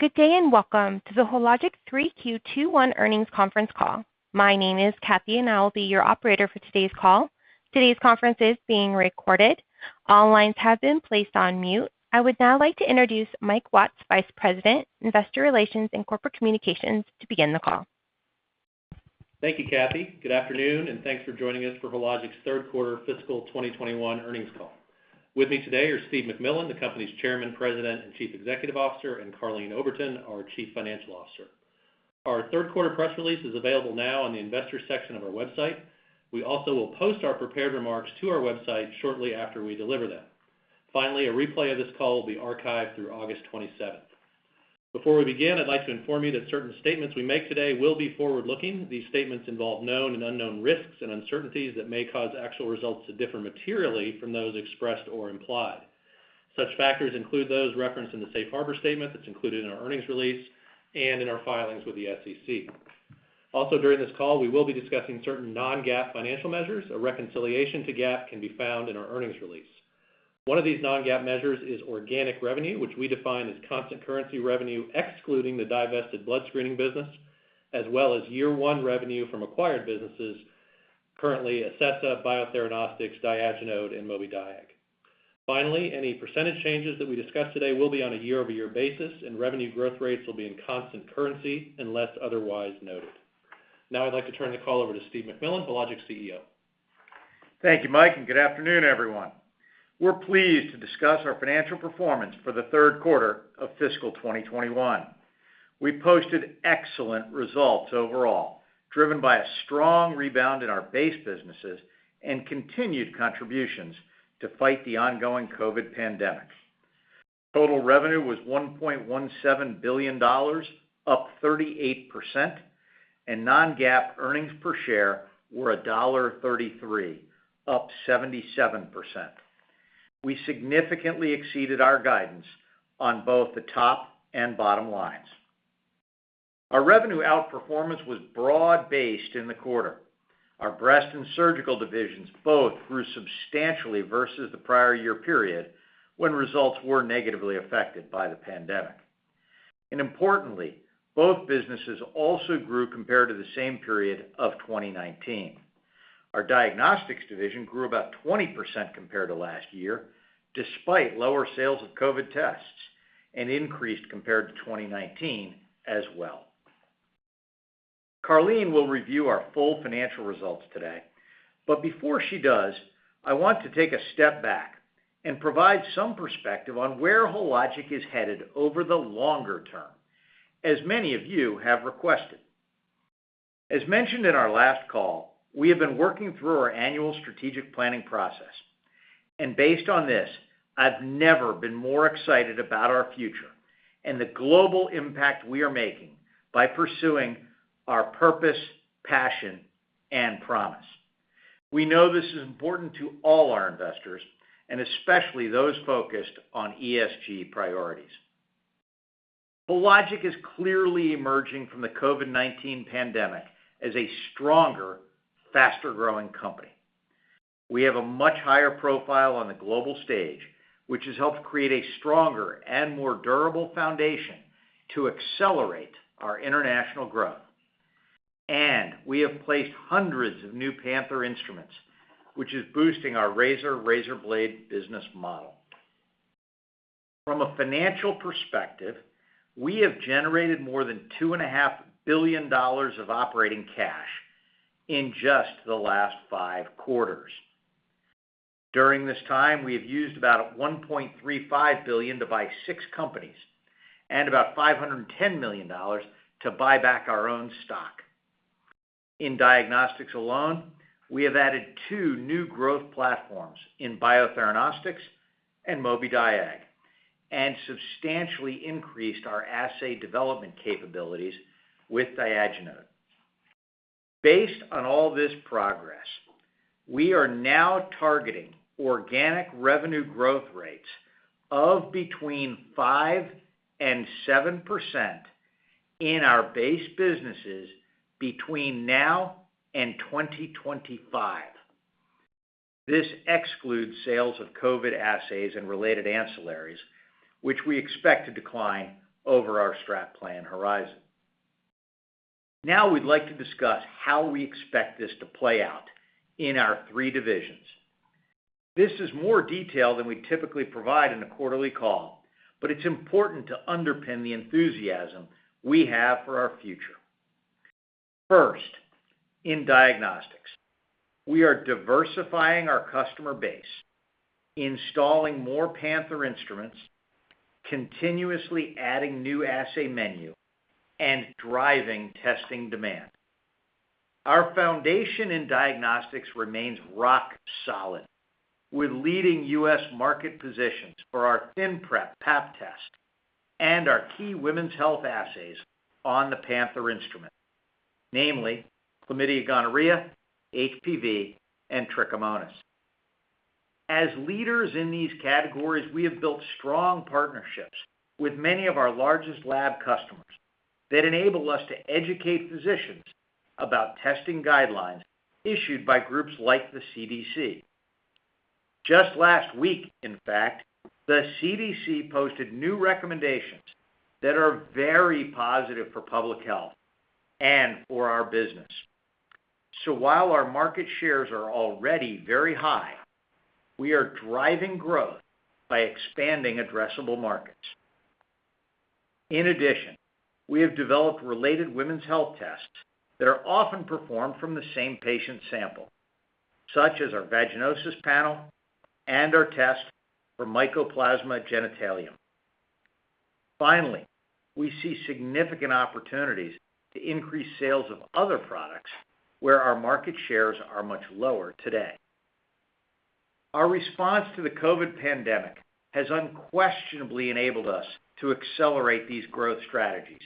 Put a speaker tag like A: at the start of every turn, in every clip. A: Good day. Welcome to the Hologic 3Q 2021 earnings conference call. My name is Kathy, and I will be your operator for today's call. Today's conference is being recorded. All lines have been placed on mute. I would now like to introduce Mike Watts, Vice President, Investor Relations and Corporate Communications, to begin the call.
B: Thank you, Kathy. Good afternoon, and thanks for joining us for Hologic's third quarter fiscal 2021 earnings call. With me today are Steve MacMillan, the company's Chairman, President, and Chief Executive Officer, and Karleen Oberton, our Chief Financial Officer. Our third quarter press release is available now on the investors section of our website. We also will post our prepared remarks to our website shortly after we deliver them. A replay of this call will be archived through August 27th. Before we begin, I'd like to inform you that certain statements we make today will be forward-looking. These statements involve known and unknown risks and uncertainties that may cause actual results to differ materially from those expressed or implied. Such factors include those referenced in the safe harbor statement that's included in our earnings release and in our filings with the SEC. Also, during this call, we will be discussing certain non-GAAP financial measures. A reconciliation to GAAP can be found in our earnings release. One of these non-GAAP measures is organic revenue, which we define as constant currency revenue, excluding the divested blood screening business, as well as year one revenue from acquired businesses, currently Acessa, Biotheranostics, Diagenode, and Mobidiag. Finally, any percentage changes that we discuss today will be on a year-over-year basis, and revenue growth rates will be in constant currency unless otherwise noted. Now I'd like to turn the call over to Steve MacMillan, Hologic's CEO.
C: Thank you, Mike, and good afternoon, everyone. We're pleased to discuss our financial performance for the third quarter of fiscal 2021. We posted excellent results overall, driven by a strong rebound in our base businesses and continued contributions to fight the ongoing COVID pandemic. Total revenue was $1.17 billion, up 38%, and non-GAAP earnings per share were $1.33, up 77%. We significantly exceeded our guidance on both the top and bottom lines. Our revenue outperformance was broad-based in the quarter. Our breast and Surgical divisions both grew substantially versus the prior year period when results were negatively affected by the pandemic. Importantly, both businesses also grew compared to the same period of 2019. Our diagnostics division grew about 20% compared to last year, despite lower sales of COVID tests, and increased compared to 2019 as well. Karleen will review our full financial results today, but before she does, I want to take a step back and provide some perspective on where Hologic is headed over the longer term, as many of you have requested. As mentioned in our last call, we have been working through our annual strategic planning process, and based on this, I've never been more excited about our future and the global impact we are making by pursuing our purpose, passion, and promise. We know this is important to all our investors, and especially those focused on ESG priorities. Hologic is clearly emerging from the COVID-19 pandemic as a stronger, faster-growing company. We have a much higher profile on the global stage, which has helped create a stronger and more durable foundation to accelerate our international growth. We have placed hundreds of new Panther instruments, which is boosting our razor blade business model. From a financial perspective, we have generated more than $2.5 billion of operating cash in just the last five quarters. During this time, we have used about $1.35 billion to buy six companies and about $510 million to buy back our own stock. In diagnostics alone, we have added two new growth platforms in Biotheranostics and Mobidiag and substantially increased our assay development capabilities with Diagenode. Based on all this progress, we are now targeting organic revenue growth rates of between 5% and 7% in our base businesses between now and 2025. This excludes sales of COVID assays and related ancillaries, which we expect to decline over our strat plan horizon. We'd like to discuss how we expect this to play out in our three divisions. This is more detail than we typically provide in a quarterly call, but it's important to underpin the enthusiasm we have for our future. First, in diagnostics, we are diversifying our customer base, installing more Panther instruments, continuously adding new assay menu, and driving testing demand. Our foundation in diagnostics remains rock solid, with leading U.S. market positions for our ThinPrep Pap Test and our key women's health assays on the Panther instrument, namely Chlamydia/Gonorrhea, HPV, and Trichomonas. As leaders in these categories, we have built strong partnerships with many of our largest lab customers that enable us to educate physicians about testing guidelines issued by groups like the CDC. Just last week, in fact, the CDC posted new recommendations that are very positive for public health and for our business. While our market shares are already very high, we are driving growth by expanding addressable markets. In addition, we have developed related women's health tests that are often performed from the same patient sample, such as our vaginosis panel and our test for Mycoplasma genitalium. Finally, we see significant opportunities to increase sales of other products where our market shares are much lower today. Our response to the COVID pandemic has unquestionably enabled us to accelerate these growth strategies.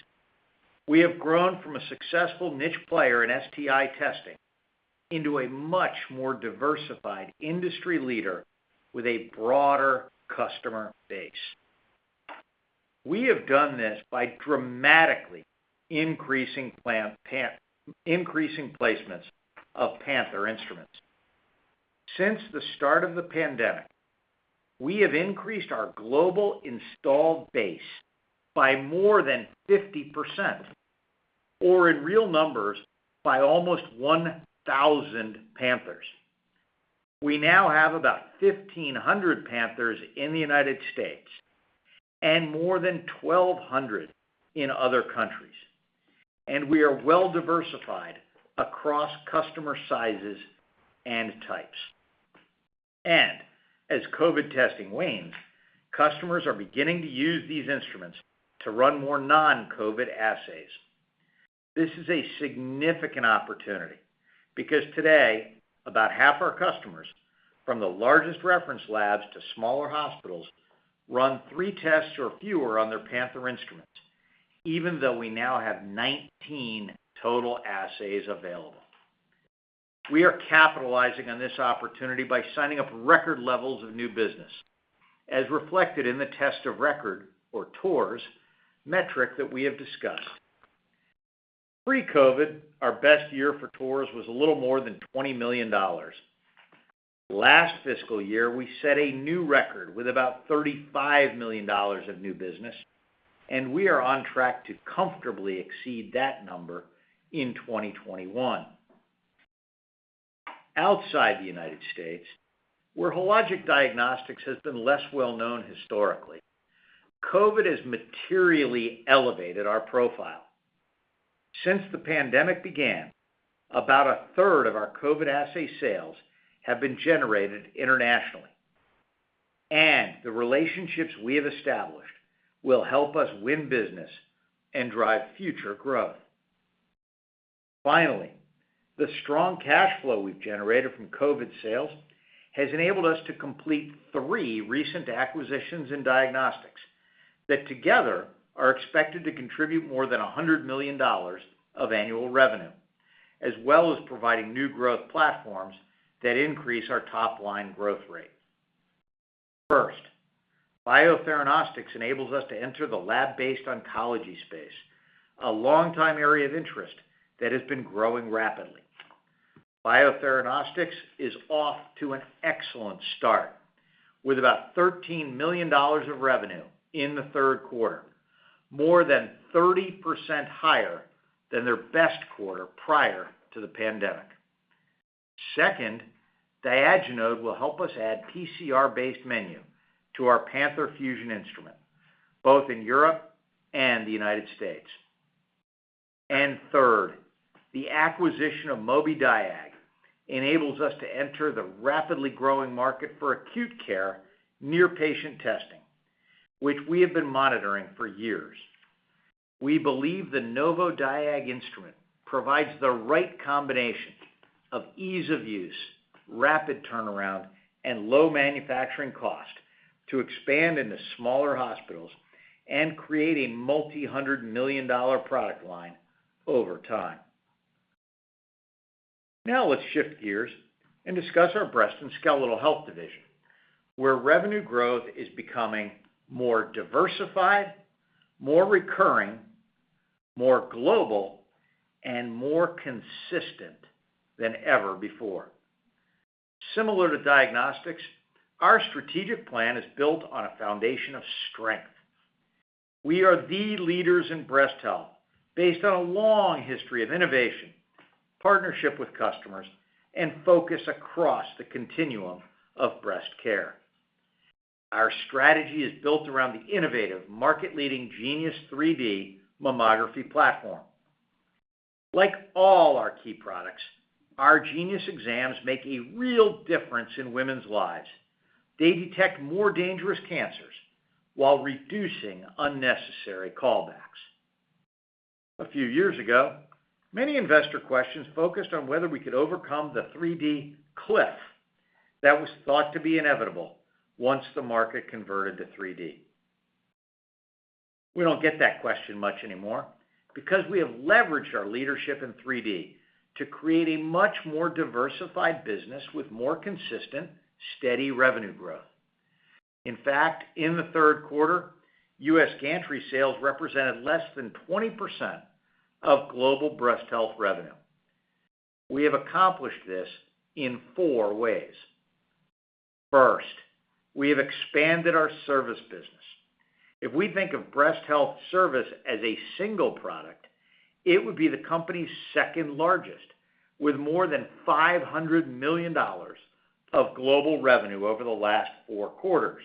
C: We have grown from a successful niche player in STI testing into a much more diversified industry leader with a broader customer base. We have done this by dramatically increasing placements of Panther instruments. Since the start of the pandemic, we have increased our global installed base by more than 50%, or in real numbers, by almost 1,000 Panthers. We now have about 1,500 Panthers in the United States and more than 1,200 in other countries, and we are well-diversified across customer sizes and types. As COVID testing wanes, customers are beginning to use these instruments to run more non-COVID assays. This is a significant opportunity because today, about half our customers, from the largest reference labs to smaller hospitals, run three tests or fewer on their Panther instruments, even though we now have 19 total assays available. We are capitalizing on this opportunity by signing up record levels of new business, as reflected in the test of record, or TORs, metric that we have discussed. Pre-COVID, our best year for TORs was a little more than $20 million. Last fiscal year, we set a new record with about $35 million of new business, and we are on track to comfortably exceed that number in 2021. Outside the United States, where Hologic Diagnostics has been less well-known historically, COVID has materially elevated our profile. Since the pandemic began, about a third of our COVID assay sales have been generated internationally. The relationships we have established will help us win business and drive future growth. Finally, the strong cash flow we've generated from COVID sales has enabled us to complete three recent acquisitions in diagnostics that together are expected to contribute more than $100 million of annual revenue, as well as providing new growth platforms that increase our top-line growth rate. First, Biotheranostics enables us to enter the lab-based oncology space, a longtime area of interest that has been growing rapidly. Biotheranostics is off to an excellent start, with about $13 million of revenue in the third quarter, more than 30% higher than their best quarter prior to the pandemic. Second, Diagenode will help us add PCR-based menu to our Panther Fusion instrument, both in Europe and the United States. Third, the acquisition of Mobidiag enables us to enter the rapidly growing market for acute care near-patient testing, which we have been monitoring for years. We believe the Novodiag instrument provides the right combination of ease of use, rapid turnaround, and low manufacturing cost to expand into smaller hospitals and create a multi-hundred million dollar product line over time. Now let's shift gears and discuss our Breast & Skeletal Health division, where revenue growth is becoming more diversified, more recurring, more global, and more consistent than ever before. Similar to diagnostics, our strategic plan is built on a foundation of strength. We are the leaders in breast health based on a long history of innovation, partnership with customers, and focus across the continuum of breast care. Our strategy is built around the innovative, market-leading Genius 3D Mammography platform. Like all our key products, our Genius exams make a real difference in women's lives. They detect more dangerous cancers while reducing unnecessary callbacks. A few years ago, many investor questions focused on whether we could overcome the 3D cliff that was thought to be inevitable once the market converted to 3D. We don't get that question much anymore because we have leveraged our leadership in 3D to create a much more diversified business with more consistent, steady revenue growth. In fact, in the third quarter, U.S. gantry sales represented less than 20% of global breast health revenue. We have accomplished this in four ways. First, we have expanded our service business. If we think of breast health service as a single product, it would be the company's second largest, with more than $500 million of global revenue over the last four quarters.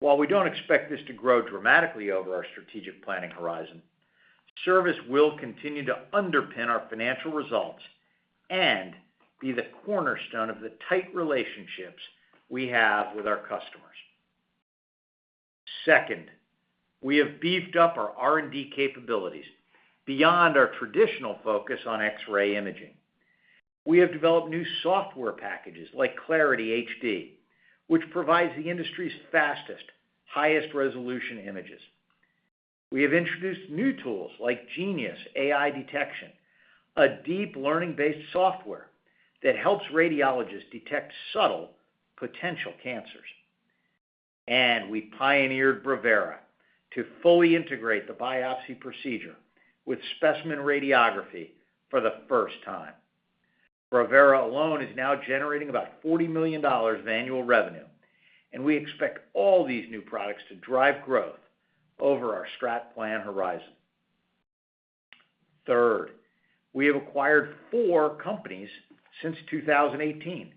C: While we don't expect this to grow dramatically over our strategic planning horizon, service will continue to underpin our financial results and be the cornerstone of the tight relationships we have with our customers. Second, we have beefed up our R&D capabilities beyond our traditional focus on X-ray imaging. We have developed new software packages like Clarity HD, which provides the industry's fastest, highest resolution images. We have introduced new tools like Genius AI Detection, a deep learning-based software that helps radiologists detect subtle potential cancers. We pioneered Brevera to fully integrate the biopsy procedure with specimen radiography for the first time. Brevera alone is now generating about $40 million of annual revenue, and we expect all these new products to drive growth over our strat plan horizon. Third, we have acquired four companies since 2018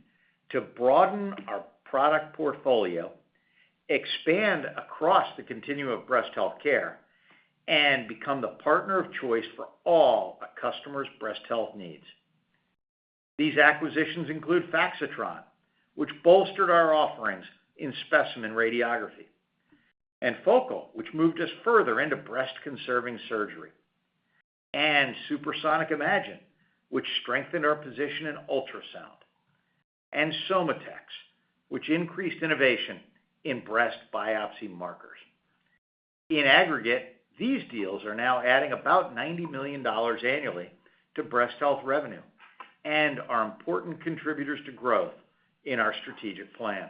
C: to broaden our product portfolio, expand across the continuum of breast healthcare, and become the partner of choice for all a customer's breast health needs. These acquisitions include Faxitron, which bolstered our offerings in specimen radiography. Focal, which moved us further into breast-conserving surgery. SuperSonic Imagine, which strengthened our position in ultrasound. SOMATEX, which increased innovation in breast biopsy markers. In aggregate, these deals are now adding about $90 million annually to breast health revenue and are important contributors to growth in our strategic plan.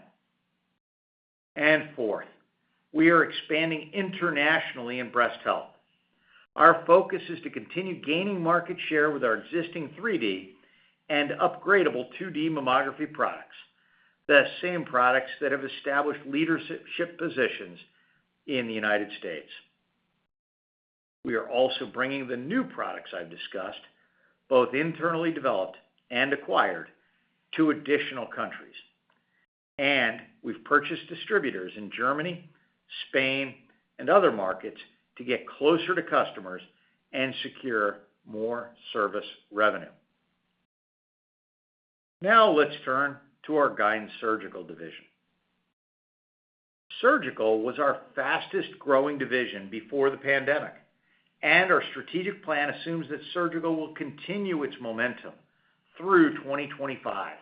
C: Fourth, we are expanding internationally in breast health. Our focus is to continue gaining market share with our existing 3D and upgradable 2D mammography products, the same products that have established leadership positions in the United States. We are also bringing the new products I've discussed, both internally developed and acquired, to additional countries. We've purchased distributors in Germany, Spain, and other markets to get closer to customers and secure more service revenue. Let's turn to our GYN Surgical division. Surgical was our fastest-growing division before the pandemic, and our strategic plan assumes that Surgical will continue its momentum through 2025.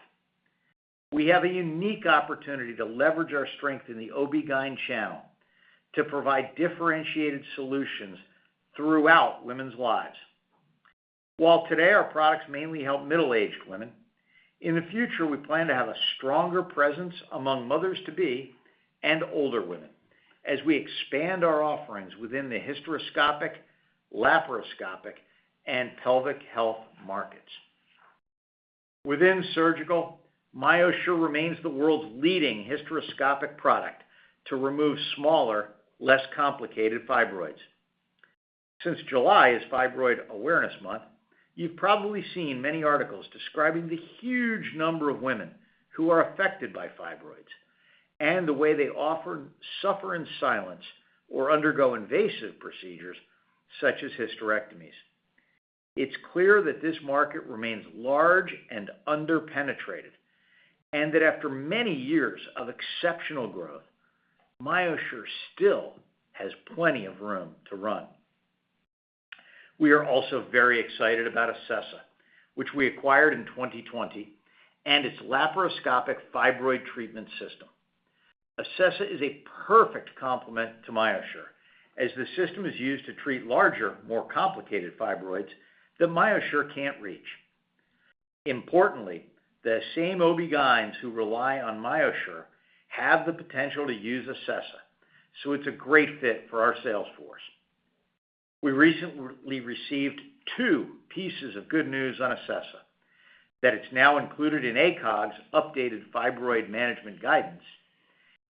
C: We have a unique opportunity to leverage our strength in the OB/GYN channel to provide differentiated solutions throughout women's lives. While today our products mainly help middle-aged women, in the future, we plan to have a stronger presence among mothers-to-be and older women as we expand our offerings within the hysteroscopic, laparoscopic, and pelvic health markets. Within Surgical, MyoSure remains the world's leading hysteroscopic product to remove smaller, less complicated fibroids. Since July is Fibroid Awareness Month, you've probably seen many articles describing the huge number of women who are affected by fibroids and the way they often suffer in silence or undergo invasive procedures such as hysterectomies. It's clear that this market remains large and under-penetrated, and that after many years of exceptional growth, MyoSure still has plenty of room to run. We are also very excited about Acessa, which we acquired in 2020, and its laparoscopic fibroid treatment system. Acessa is a perfect complement to MyoSure, as the system is used to treat larger, more complicated fibroids that MyoSure can't reach. Importantly, the same OB/GYNs who rely on MyoSure have the potential to use Acessa, so it's a great fit for our sales force. We recently received two pieces of good news on Acessa: that it's now included in ACOG's updated fibroid management guidance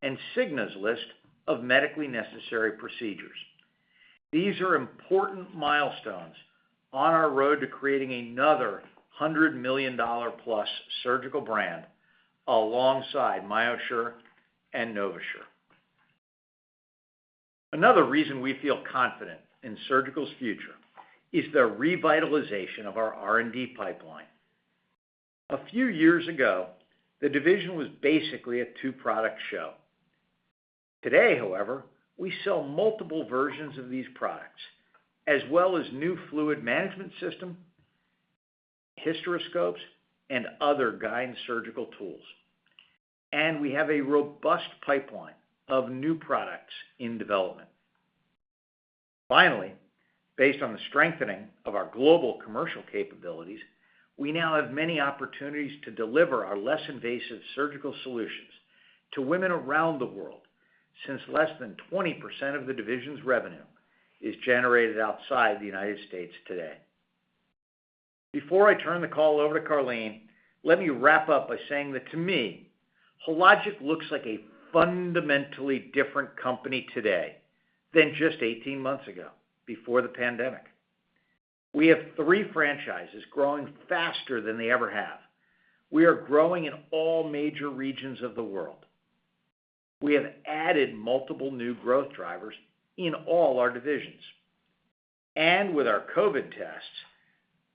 C: and Cigna's list of medically necessary procedures. These are important milestones on our road to creating another $100 million+ surgical brand alongside MyoSure and NovaSure. Another reason we feel confident in Surgical's future is the revitalization of our R&D pipeline. A few years ago, the division was basically a two-product show. Today, however, we sell multiple versions of these products, as well as new fluid management system, hysteroscopes, and other GYN surgical tools. We have a robust pipeline of new products in development. Finally, based on the strengthening of our global commercial capabilities, we now have many opportunities to deliver our less invasive surgical solutions to women around the world, since less than 20% of the division's revenue is generated outside the United States today. Before I turn the call over to Karleen, let me wrap up by saying that to me, Hologic looks like a fundamentally different company today than just 18 months ago, before the pandemic. We have three franchises growing faster than they ever have. We are growing in all major regions of the world. We have added multiple new growth drivers in all our divisions. With our COVID tests,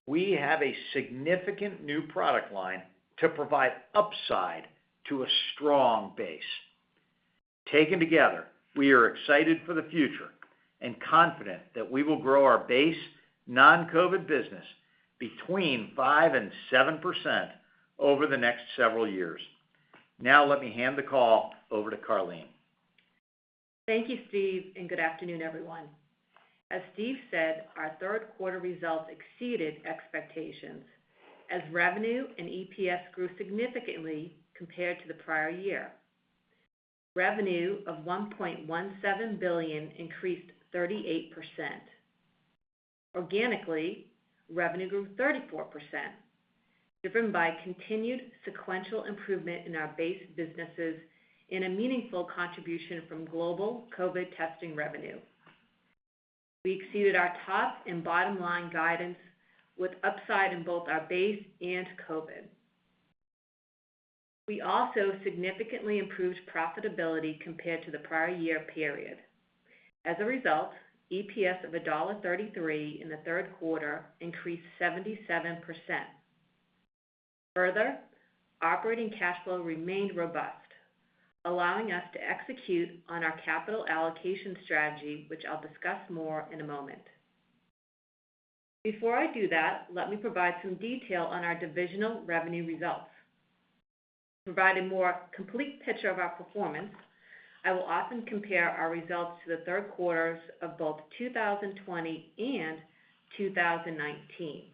C: we have a significant new product line to provide upside to a strong base. Taken together, we are excited for the future and confident that we will grow our base non-COVID business between 5% and 7% over the next several years. Let me hand the call over to Karleen.
D: Thank you, Steve, good afternoon, everyone. As Steve said, our third quarter results exceeded expectations as revenue and EPS grew significantly compared to the prior year. Revenue of $1.17 billion increased 38%. Organically, revenue grew 34%, driven by continued sequential improvement in our base businesses, and a meaningful contribution from global COVID testing revenue. We exceeded our top and bottom line guidance with upside in both our base and COVID. We also significantly improved profitability compared to the prior year period. As a result, EPS of $1.33 in the third quarter increased 77%. Further, operating cash flow remained robust, allowing us to execute on our capital allocation strategy, which I'll discuss more in a moment. Before I do that, let me provide some detail on our divisional revenue results. To provide a more complete picture of our performance, I will often compare our results to the third quarters of both 2020 and 2019.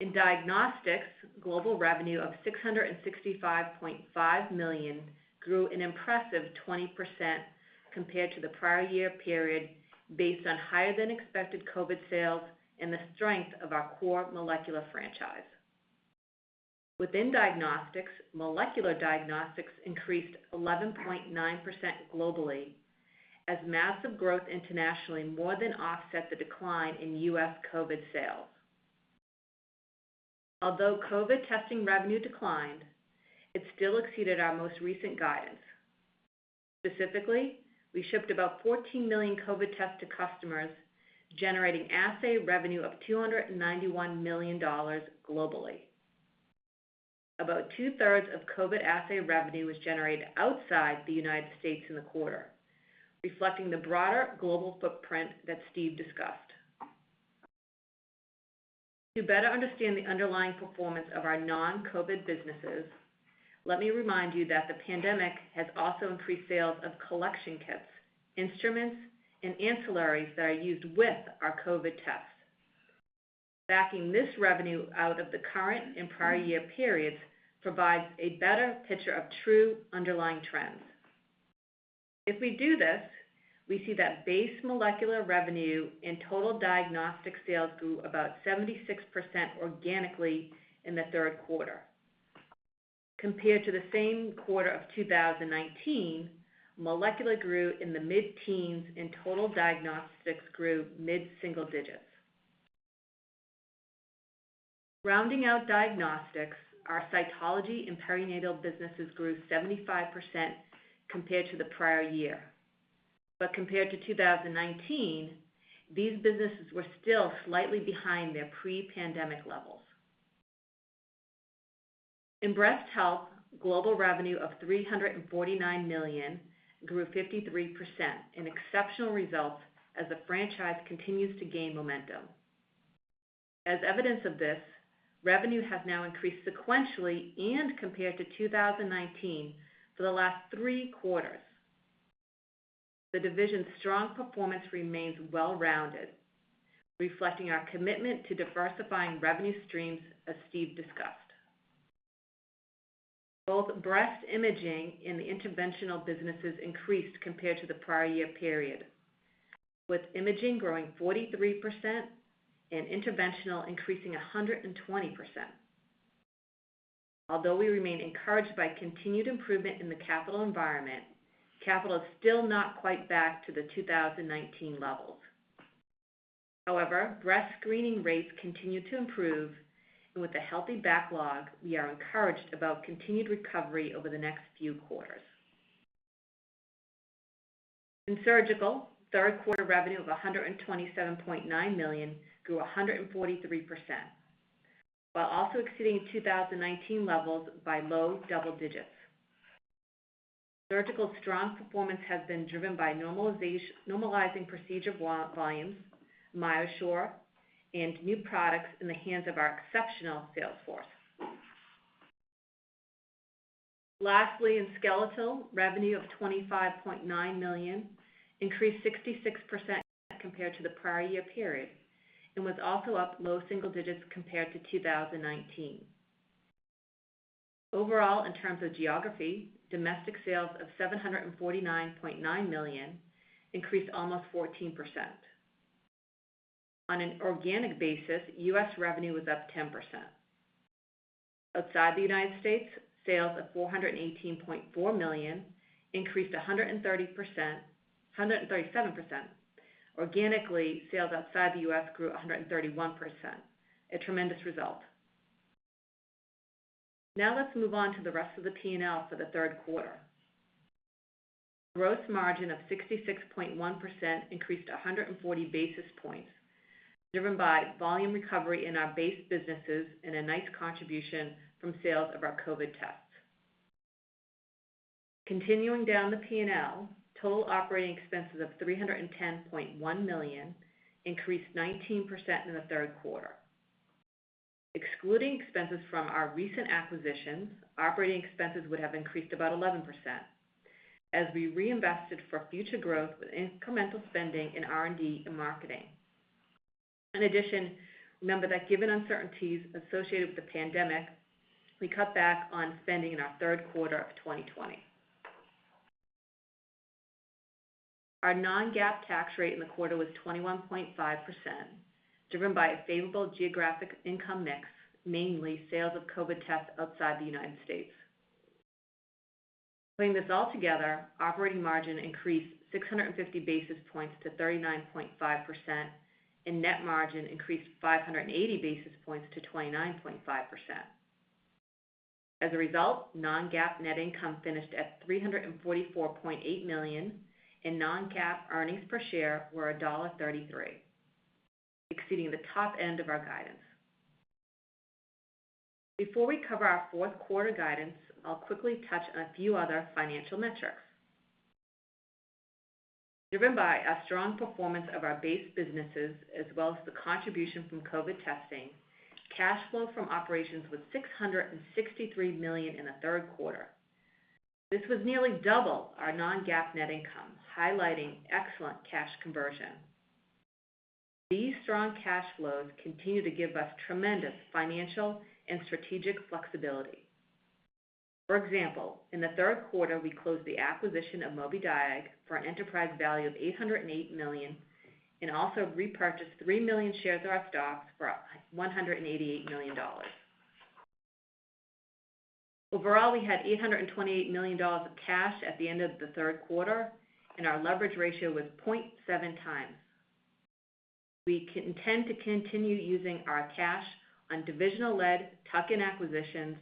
D: In diagnostics, global revenue of $665.5 million grew an impressive 20% compared to the prior year period, based on higher than expected COVID sales and the strength of our core molecular franchise. Within diagnostics, molecular diagnostics increased 11.9% globally as massive growth internationally more than offset the decline in U.S. COVID sales. Although COVID testing revenue declined, it still exceeded our most recent guidance. Specifically, we shipped about 14 million COVID tests to customers, generating assay revenue of $291 million globally. About two-thirds of COVID assay revenue was generated outside the United States in the quarter, reflecting the broader global footprint that Steve discussed. To better understand the underlying performance of our non-COVID businesses, let me remind you that the pandemic has also increased sales of collection kits, instruments, and ancillaries that are used with our COVID tests. Backing this revenue out of the current and prior year periods provides a better picture of true underlying trends. If we do this, we see that base molecular revenue and total diagnostic sales grew about 76% organically in the third quarter. Compared to the same quarter of 2019, molecular grew in the mid-teens, and total diagnostics grew mid-single digits. Rounding out diagnostics, our cytology and perinatal businesses grew 75% compared to the prior year. Compared to 2019, these businesses were still slightly behind their pre-pandemic levels. In breast health, global revenue of $349 million grew 53%, an exceptional result as the franchise continues to gain momentum. As evidence of this, revenue has now increased sequentially and compared to 2019 for the last three quarters. The division's strong performance remains well-rounded, reflecting our commitment to diversifying revenue streams, as Steve discussed. Both breast imaging and the interventional businesses increased compared to the prior year period, with imaging growing 43% and interventional increasing 120%. Although we remain encouraged by continued improvement in the capital environment, capital is still not quite back to the 2019 levels. However, breast screening rates continue to improve, and with a healthy backlog, we are encouraged about continued recovery over the next few quarters. In Surgical, third quarter revenue of $127.9 million grew 143%, while also exceeding 2019 levels by low double digits. Surgical strong performance has been driven by normalizing procedure volumes, MyoSure, and new products in the hands of our exceptional sales force. Lastly, in Skeletal, revenue of $25.9 million increased 66% compared to the prior year period and was also up low single digits compared to 2019. In terms of geography, domestic sales of $749.9 million increased almost 14%. On an organic basis, U.S. revenue was up 10%. Outside the United States, sales of $418.4 million increased 137%. Organically, sales outside the U.S. grew 131%, a tremendous result. Let's move on to the rest of the P&L for the third quarter. Gross margin of 66.1% increased 140 basis points, driven by volume recovery in our base businesses and a nice contribution from sales of our COVID tests. Continuing down the P&L, total operating expenses of $310.1 million increased 19% in the third quarter. Excluding expenses from our recent acquisitions, operating expenses would have increased about 11%, as we reinvested for future growth with incremental spending in R&D and marketing. Remember that given uncertainties associated with the pandemic, we cut back on spending in our third quarter of 2020. Our non-GAAP tax rate in the quarter was 21.5%, driven by a favorable geographic income mix, mainly sales of COVID tests outside the United States. Putting this all together, operating margin increased 650 basis points to 39.5%, and net margin increased 580 basis points to 29.5%. Non-GAAP net income finished at $344.8 million, and non-GAAP earnings per share were $1.33, exceeding the top end of our guidance. Before we cover our fourth quarter guidance, I'll quickly touch on a few other financial metrics. Driven by a strong performance of our base businesses as well as the contribution from COVID testing, cash flow from operations was $663 million in the third quarter. This was nearly double our non-GAAP net income, highlighting excellent cash conversion. These strong cash flows continue to give us tremendous financial and strategic flexibility. For example, in the third quarter, we closed the acquisition of Mobidiag for an enterprise value of $808 million and also repurchased 3 million shares of our stock for $188 million. Overall, we had $828 million of cash at the end of the third quarter, and our leverage ratio was 0.7x. We intend to continue using our cash on divisional-led tuck-in acquisitions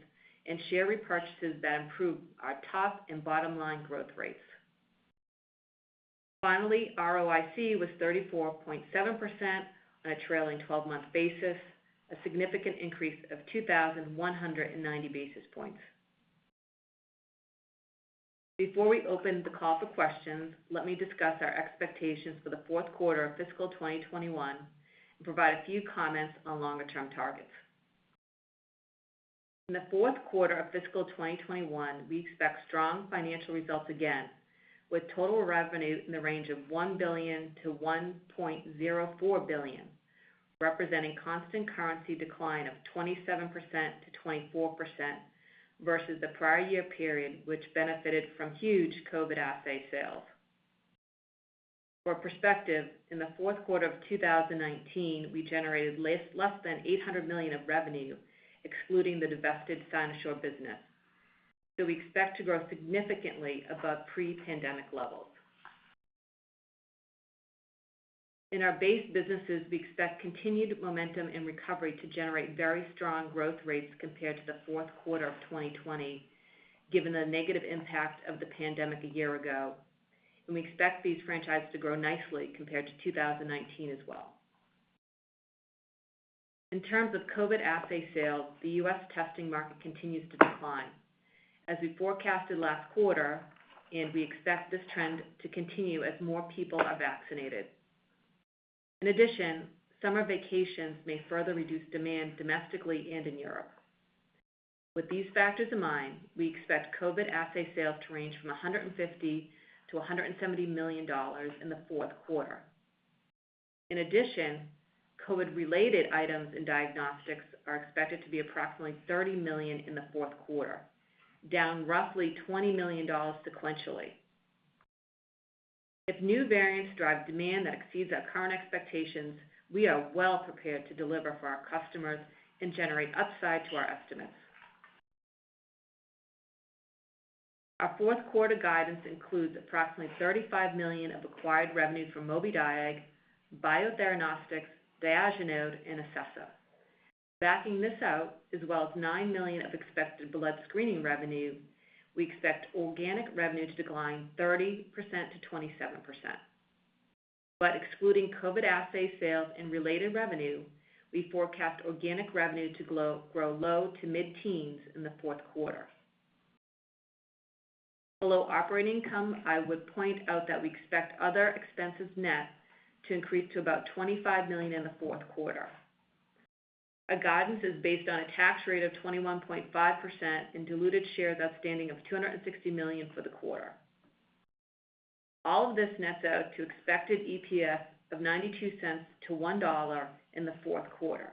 D: and share repurchases that improve our top and bottom line growth rates. Finally, ROIC was 34.7% on a trailing 12-month basis, a significant increase of 2,190 basis points. Before we open the call for questions, let me discuss our expectations for the fourth quarter of fiscal 2021 and provide a few comments on longer-term targets. In the fourth quarter of fiscal 2021, we expect strong financial results again, with total revenue in the range of $1 billion-$1.04 billion, representing constant currency decline of 27% to 24% versus the prior year period, which benefited from huge COVID assay sales. For perspective, in the fourth quarter of 2019, we generated less than $800 million of revenue, excluding the divested Cynosure business. We expect to grow significantly above pre-pandemic levels. In our base businesses, we expect continued momentum and recovery to generate very strong growth rates compared to the fourth quarter of 2020, given the negative impact of the pandemic a year ago. We expect these franchises to grow nicely compared to 2019 as well. In terms of COVID assay sales, the U.S. testing market continues to decline, as we forecasted last quarter, and we expect this trend to continue as more people are vaccinated. Summer vacations may further reduce demand domestically and in Europe. With these factors in mind, we expect COVID assay sales to range from $150 million-$170 million in the fourth quarter. In addition, COVID-related items and diagnostics are expected to be approximately $30 million in the fourth quarter, down roughly $20 million sequentially. If new variants drive demand that exceeds our current expectations, we are well prepared to deliver for our customers and generate upside to our estimates. Our fourth quarter guidance includes approximately $35 million of acquired revenue from Mobidiag, Biotheranostics, Diagenode, and Acessa. Backing this out, as well as $9 million of expected blood screening revenue, we expect organic revenue to decline 30% to 27%. Excluding COVID assay sales and related revenue, we forecast organic revenue to grow low to mid-teens in the fourth quarter. Below operating income, I would point out that we expect other expenses net to increase to about $25 million in the fourt quarter. Our guidance is based on a tax rate of 21.5% in diluted shares outstanding of 260 million for the quarter. All of this nets out to expected EPS of $0.92-$1 in the fourth quarter.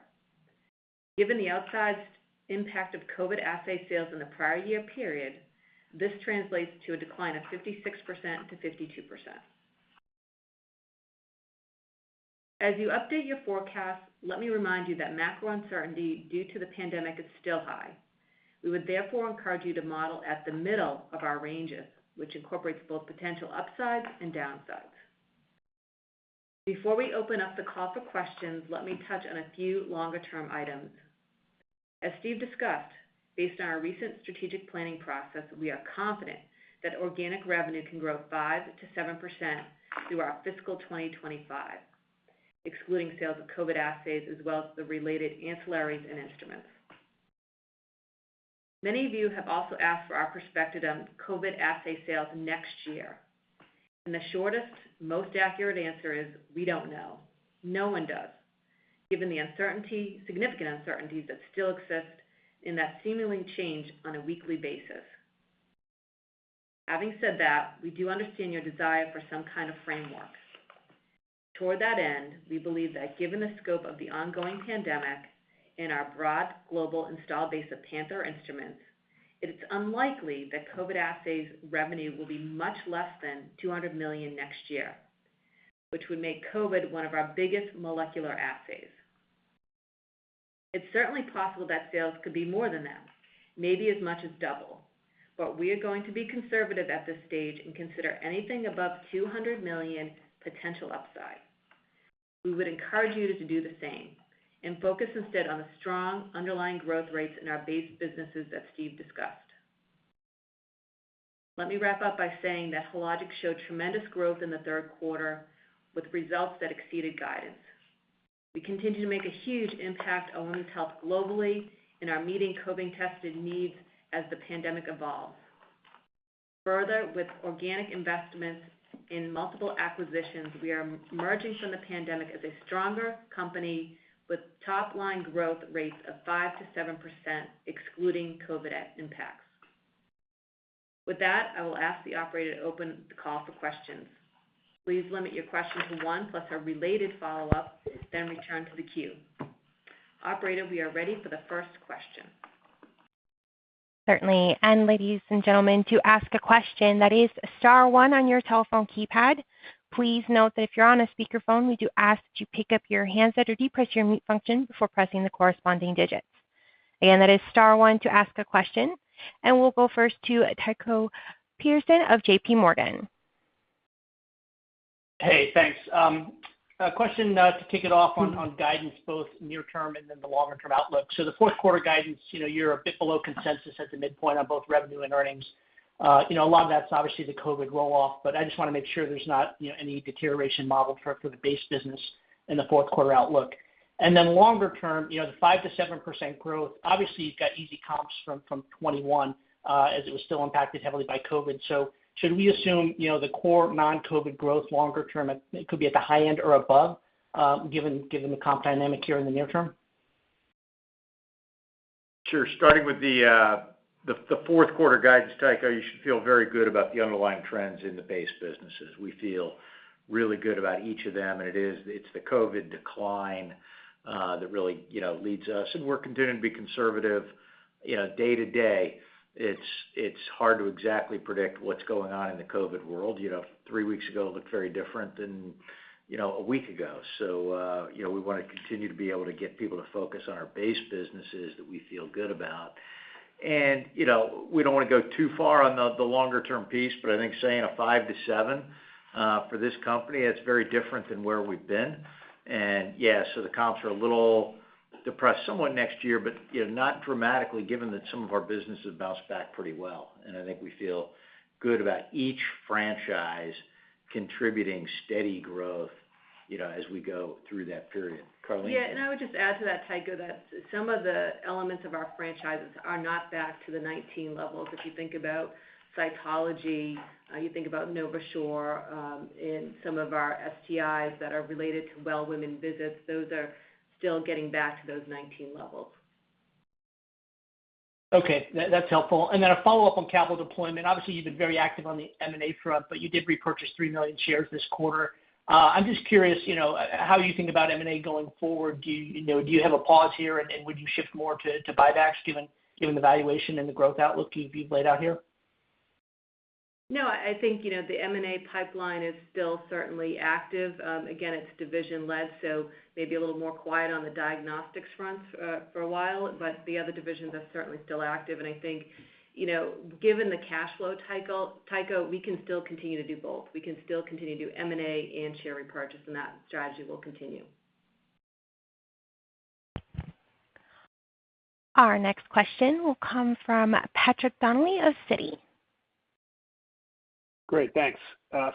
D: Given the outsized impact of COVID assay sales in the prior year period, this translates to a decline of 56% to 52%. As you update your forecast, let me remind you that macro uncertainty due to the pandemic is still high. We would therefore encourage you to model at the middle of our ranges, which incorporates both potential upsides and downsides. Before we open up the call for questions, let me touch on a few longer-term items. As Steve discussed, based on our recent strategic planning process, we are confident that organic revenue can grow 5%-7% through our fiscal 2025, excluding sales of COVID assays as well as the related ancillaries and instruments. Many of you have also asked for our perspective on COVID assay sales next year, and the shortest, most accurate answer is we don't know. No one does, given the significant uncertainties that still exist and that seemingly change on a weekly basis. Having said that, we do understand your desire for some kind of framework. Toward that end, we believe that given the scope of the ongoing pandemic and our broad global installed base of Panther instruments, it is unlikely that COVID assays revenue will be much less than $200 million next year, which would make COVID one of our biggest molecular assays. It's certainly possible that sales could be more than that, maybe as much as double, but we are going to be conservative at this stage and consider anything above $200 million potential upside. We would encourage you to do the same and focus instead on the strong underlying growth rates in our base businesses that Steve discussed. Let me wrap up by saying that Hologic showed tremendous growth in the third quarter with results that exceeded guidance. We continue to make a huge impact on women's health globally and are meeting COVID testing needs as the pandemic evolves. Further, with organic investments in multiple acquisitions, we are emerging from the pandemic as a stronger company with top-line growth rates of 5%-7%, excluding COVID impacts. With that, I will ask the operator to open the call for questions. Please limit your question to one, plus a related follow-up, then return to the queue. Operator, we are ready for the first question.
A: Certainly. Ladies and gentlemen, to ask a question, that is star one on your telephone keypad. Please note that if you're on a speakerphone, we do ask that you pick up your handset or depress your mute function before pressing the corresponding digits. Again, that is star one to ask a question, and we'll go first to Tycho Peterson of JPMorgan.
E: Hey, thanks. A question to kick it off on guidance, both near term and the longer-term outlook. The fourth quarter guidance, you're a bit below consensus at the midpoint on both revenue and earnings. A lot of that's obviously the COVID roll-off, but I just want to make sure there's not any deterioration modeled for the base business in the fourth quarter outlook. Longer term, the 5%-7% growth, obviously you've got easy comps from 2021, as it was still impacted heavily by COVID. Should we assume, the core non-COVID growth longer term could be at the high end or above, given the comp dynamic here in the near term?
C: Sure. Starting with the fourth quarter guidance, Tycho, you should feel very good about the underlying trends in the base businesses. We feel really good about each of them. It's the COVID decline that really leads us. We're continuing to be conservative day to day. It's hard to exactly predict what's going on in the COVID world. Three weeks ago looked very different than one week ago. We want to continue to be able to get people to focus on our base businesses that we feel good about. We don't want to go too far on the longer-term piece. I think saying a 5%-7% for this company, that's very different than where we've been. Yeah, the comps are a little depressed somewhat next year. Not dramatically given that some of our businesses bounced back pretty well. I think we feel good about each franchise contributing steady growth as we go through that period. Karleen?
D: Yeah, I would just add to that, Tycho, that some of the elements of our franchises are not back to the 2019 levels. If you think about cytology, you think about NovaSure, and some of our STIs that are related to well women visits, those are still getting back to those 2019 levels.
E: Okay, that's helpful. A follow-up on capital deployment. Obviously, you've been very active on the M&A front, but you did repurchase 3 million shares this quarter. I'm just curious how you think about M&A going forward. Do you have a pause here, and would you shift more to buybacks given the valuation and the growth outlook you've laid out here?
D: No, I think the M&A pipeline is still certainly active. Again, it's division-led, so maybe a little more quiet on the diagnostics front for a while, but the other divisions are certainly still active. I think, given the cash flow, Tycho, we can still continue to do both. We can still continue to do M&A and share repurchase, and that strategy will continue.
A: Our next question will come from Patrick Donnelly of Citi.
F: Great, thanks.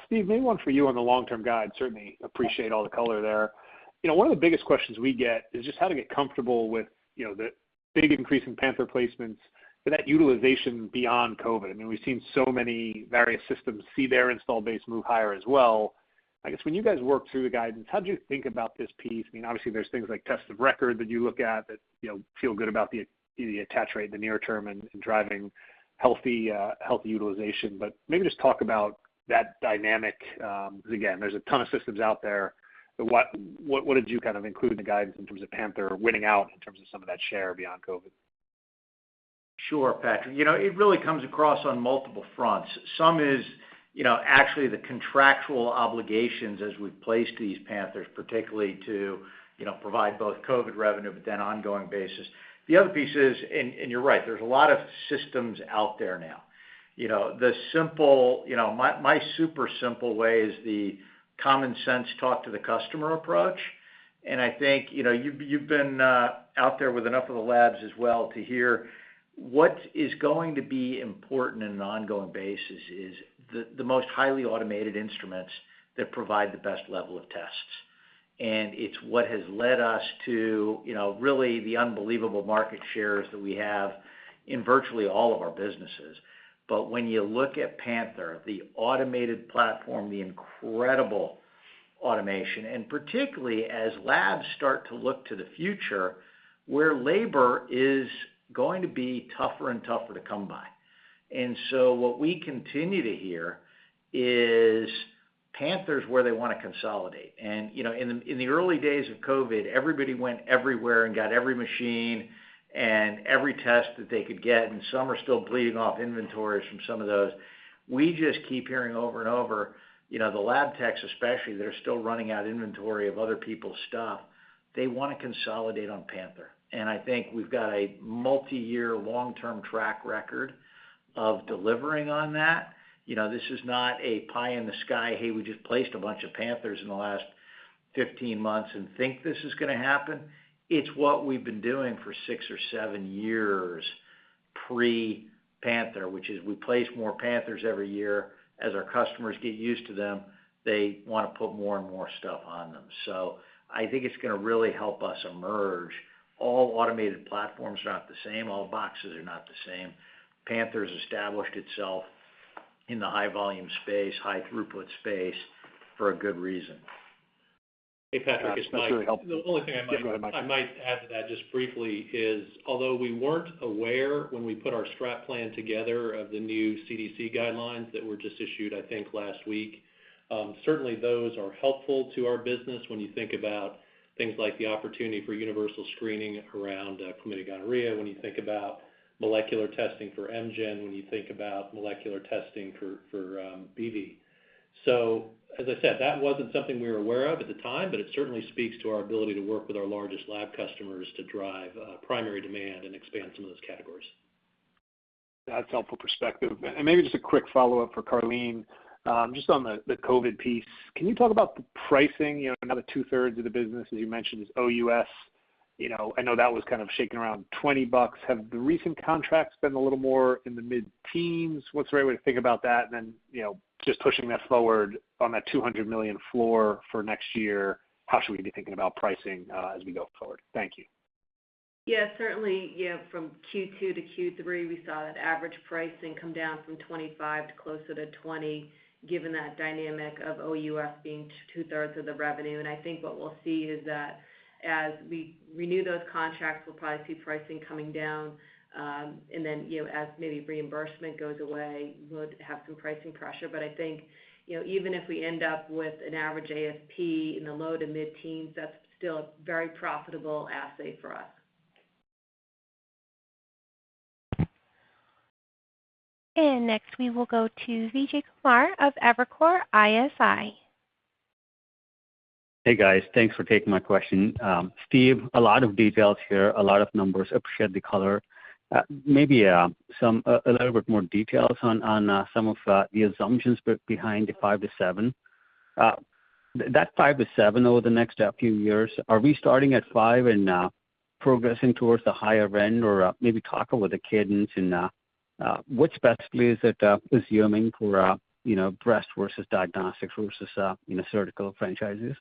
F: Steve, maybe one for you on the long-term guide. Certainly appreciate all the color there. One of the biggest questions we get is just how to get comfortable with the big increase in Panther placements and that utilization beyond COVID. I mean, we've seen so many various systems see their install base move higher as well. I guess when you guys worked through the guidance, how'd you think about this piece? Obviously, there's things like test of record that you look at that feel good about the attach rate in the near term and driving healthy utilization. Maybe just talk about that dynamic. Because again, there's a ton of systems out there. What did you include in the guidance in terms of Panther winning out in terms of some of that share beyond COVID?
C: Sure, Patrick. It really comes across on multiple fronts. Some is actually the contractual obligations as we've placed these Panthers, particularly to provide both COVID revenue, but then ongoing basis. The other piece is, and you're right, there's a lot of systems out there now. My super simple way is the common sense talk to the customer approach. I think, you've been out there with enough of the labs as well to hear what is going to be important in an ongoing basis is the most highly automated instruments that provide the best level of tests. It's what has led us to really the unbelievable market shares that we have in virtually all of our businesses. When you look at Panther, the automated platform, the incredible automation, particularly as labs start to look to the future, where labor is going to be tougher and tougher to come by. What we continue to hear is Panther's where they want to consolidate. In the early days of COVID-19, everybody went everywhere and got every machine and every test that they could get, and some are still bleeding off inventories from some of those. We just keep hearing over and over, the lab techs especially, that are still running out inventory of other people's stuff, they want to consolidate on Panther. I think we've got a multi-year, long-term track record of delivering on that. This is not a pie in the sky, "Hey, we just placed a bunch of Panthers in the last 15 months and think this is going to happen." It's what we've been doing for six or seven years pre-Panther, which is we place more Panthers every year. As our customers get used to them, they want to put more and more stuff on them. I think it's going to really help us emerge. All automated platforms are not the same, all boxes are not the same. Panther's established itself in the high volume space, high throughput space for a good reason.
B: Hey, Patrick, it's Mike.
F: That's really helpful. Yeah, go ahead, Mike.
B: The only thing I might add to that just briefly is, although we weren't aware when we put our strat plan together of the new CDC guidelines that were just issued, I think last week. Certainly, those are helpful to our business when you think about things like the opportunity for universal screening around chlamydia/gonorrhea when you think about molecular testing for M. gen, when you think about molecular testing for BV. As I said, that wasn't something we were aware of at the time, but it certainly speaks to our ability to work with our largest lab customers to drive primary demand and expand some of those categories.
F: That's helpful perspective. Maybe just a quick follow-up for Karleen. Just on the COVID piece, can you talk about the pricing? I know that two-third of the business, as you mentioned, is OUS. I know that was kind of shaking around $20. Have the recent contracts been a little more in the mid-teens? What's the right way to think about that? Just pushing that forward on that $200 million floor for next year, how should we be thinking about pricing as we go forward? Thank you.
D: Yeah, certainly. From Q2 to Q3, we saw that average pricing come down from $25 to closer to $20, given that dynamic of OUS being 2/3 of the revenue. I think what we'll see is that as we renew those contracts, we'll probably see pricing coming down. Then as maybe reimbursement goes away, we would have some pricing pressure. I think, even if we end up with an average ASP in the low to mid-teens, that's still a very profitable assay for us.
A: Next we will go to Vijay Kumar of Evercore ISI.
G: A little bit more details on some of the assumptions behind the 5%-7%. The 5%-7% over the next few years, are we starting at 5% and progressing towards the higher end? Talk a little bit cadence and what specifically is it assuming for Breast versus Diagnostics versus Surgical franchises?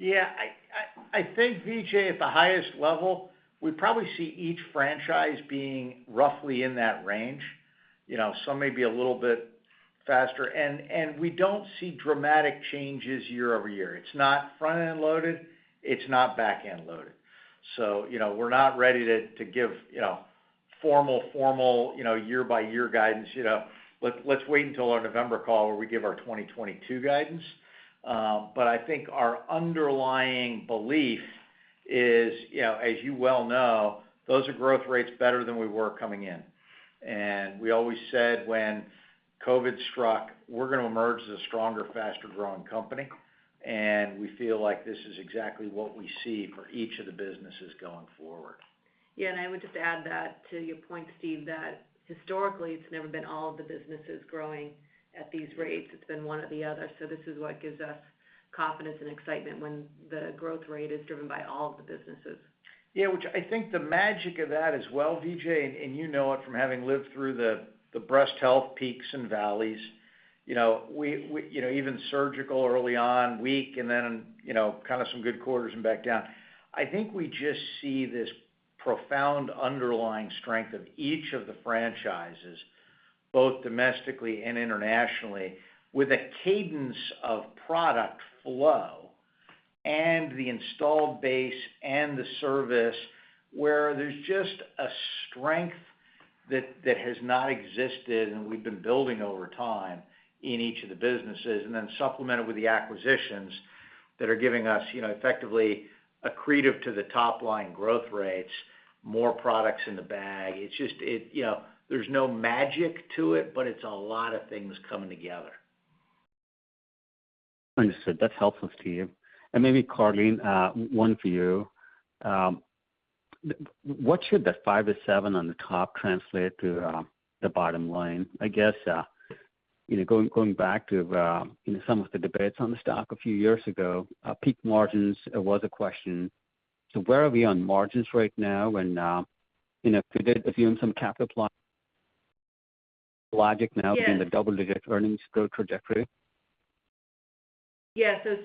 C: Yeah. I think, Vijay, at the highest level, we probably see each franchise being roughly in that range. Some may be a little bit faster. We don't see dramatic changes year-over-year. It's not front-end loaded, it's not back-end loaded. We're not ready to give formal year by year guidance. Let's wait until our November call where we give our 2022 guidance. I think our underlying belief is, as you well know, those are growth rates better than we were coming in. We always said when COVID struck, we're going to emerge as a stronger, faster growing company. We feel like this is exactly what we see for each of the businesses going forward.
D: Yeah, I would just add that to your point, Steve, that historically it's never been all of the businesses growing at these rates. It's been one or the other. This is what gives us confidence and excitement when the growth rate is driven by all of the businesses.
C: Yeah, which I think the magic of that as well, Vijay, and you know it from having lived through the breast health peaks and valleys. Even Surgical early on, weak then kind of some good quarters and back down. I think we just see this profound underlying strength of each of the franchises, both domestically and internationally, with a cadence of product flow and the installed base and the service where there's just a strength that has not existed, and we've been building over time in each of the businesses, then supplemented with the acquisitions that are giving us effectively accretive to the top-line growth rates, more products in the bag. There's no magic to it's a lot of things coming together.
G: Understood. That's helpful to hear. Maybe, Karleen, one for you. What should the 5%-7% on the top translate to the bottom line? I guess, going back to some of the debates on the stock a few years ago, peak margins was a question. Where are we on margins right now? Could there be some CapEx logic now?
D: Yes
G: Given the double-digit earnings growth trajectory?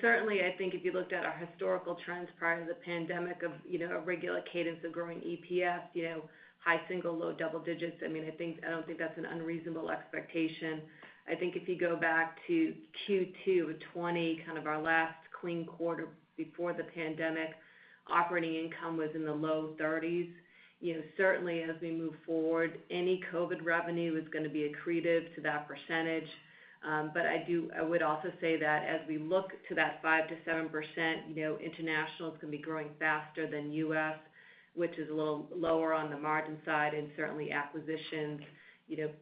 D: Certainly, I think if you looked at our historical trends prior to the pandemic of a regular cadence of growing EPS, high single, low double digits, I don't think that's an unreasonable expectation. I think if you go back to Q2 of 2020, kind of our last clean quarter before the pandemic, operating income was in the low 30s. Certainly, as we move forward, any COVID revenue is going to be accretive to that percentage. I would also say that as we look to that 5%-7%, international is going to be growing faster than U.S., which is a little lower on the margin side, and certainly acquisitions,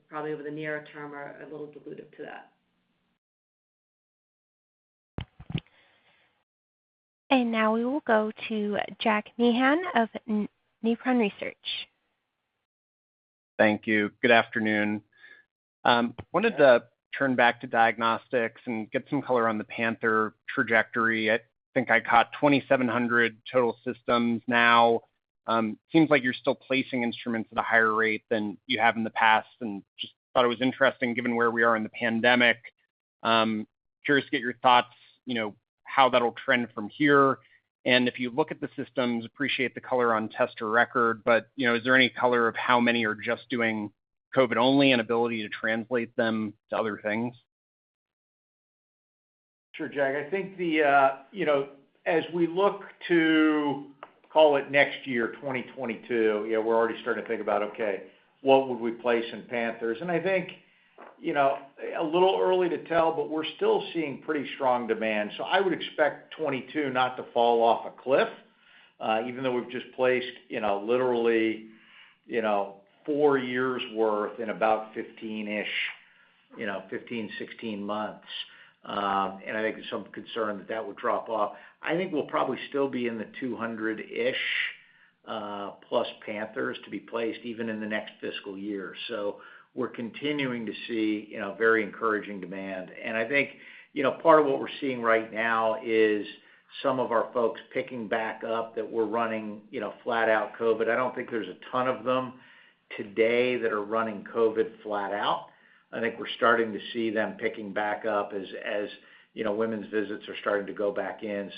D: probably over the nearer term, are a little dilutive to that.
A: Now we will go to Jack Meehan of Nephron Research.
H: Thank you. Good afternoon. Wanted to turn back to diagnostics and get some color on the Panther trajectory. I think I caught 2,700 total systems now. Seems like you're still placing instruments at a higher rate than you have in the past, and just thought it was interesting given where we are in the pandemic. Curious to get your thoughts, how that'll trend from here. If you look at the systems, appreciate the color on test of record, but is there any color of how many are just doing COVID only and ability to translate them to other things?
C: Sure, Jack. I think as we look to, call it next year, 2022, we're already starting to think about, okay, what would we place in Panthers? I think, a little early to tell, but we're still seeing pretty strong demand. I would expect 2022 not to fall off a cliff, even though we've just placed literally, four years' worth in about 15, 16 months. I think there's some concern that that will drop off. I think we'll probably still be in the 200-ish+ Panthers to be placed even in the next fiscal year. We're continuing to see very encouraging demand. I think, part of what we're seeing right now is some of our folks picking back up that were running flat out COVID. I don't think there's a ton of them today that are running COVID flat out. I think we're starting to see them picking back up as women's visits are starting to go back in.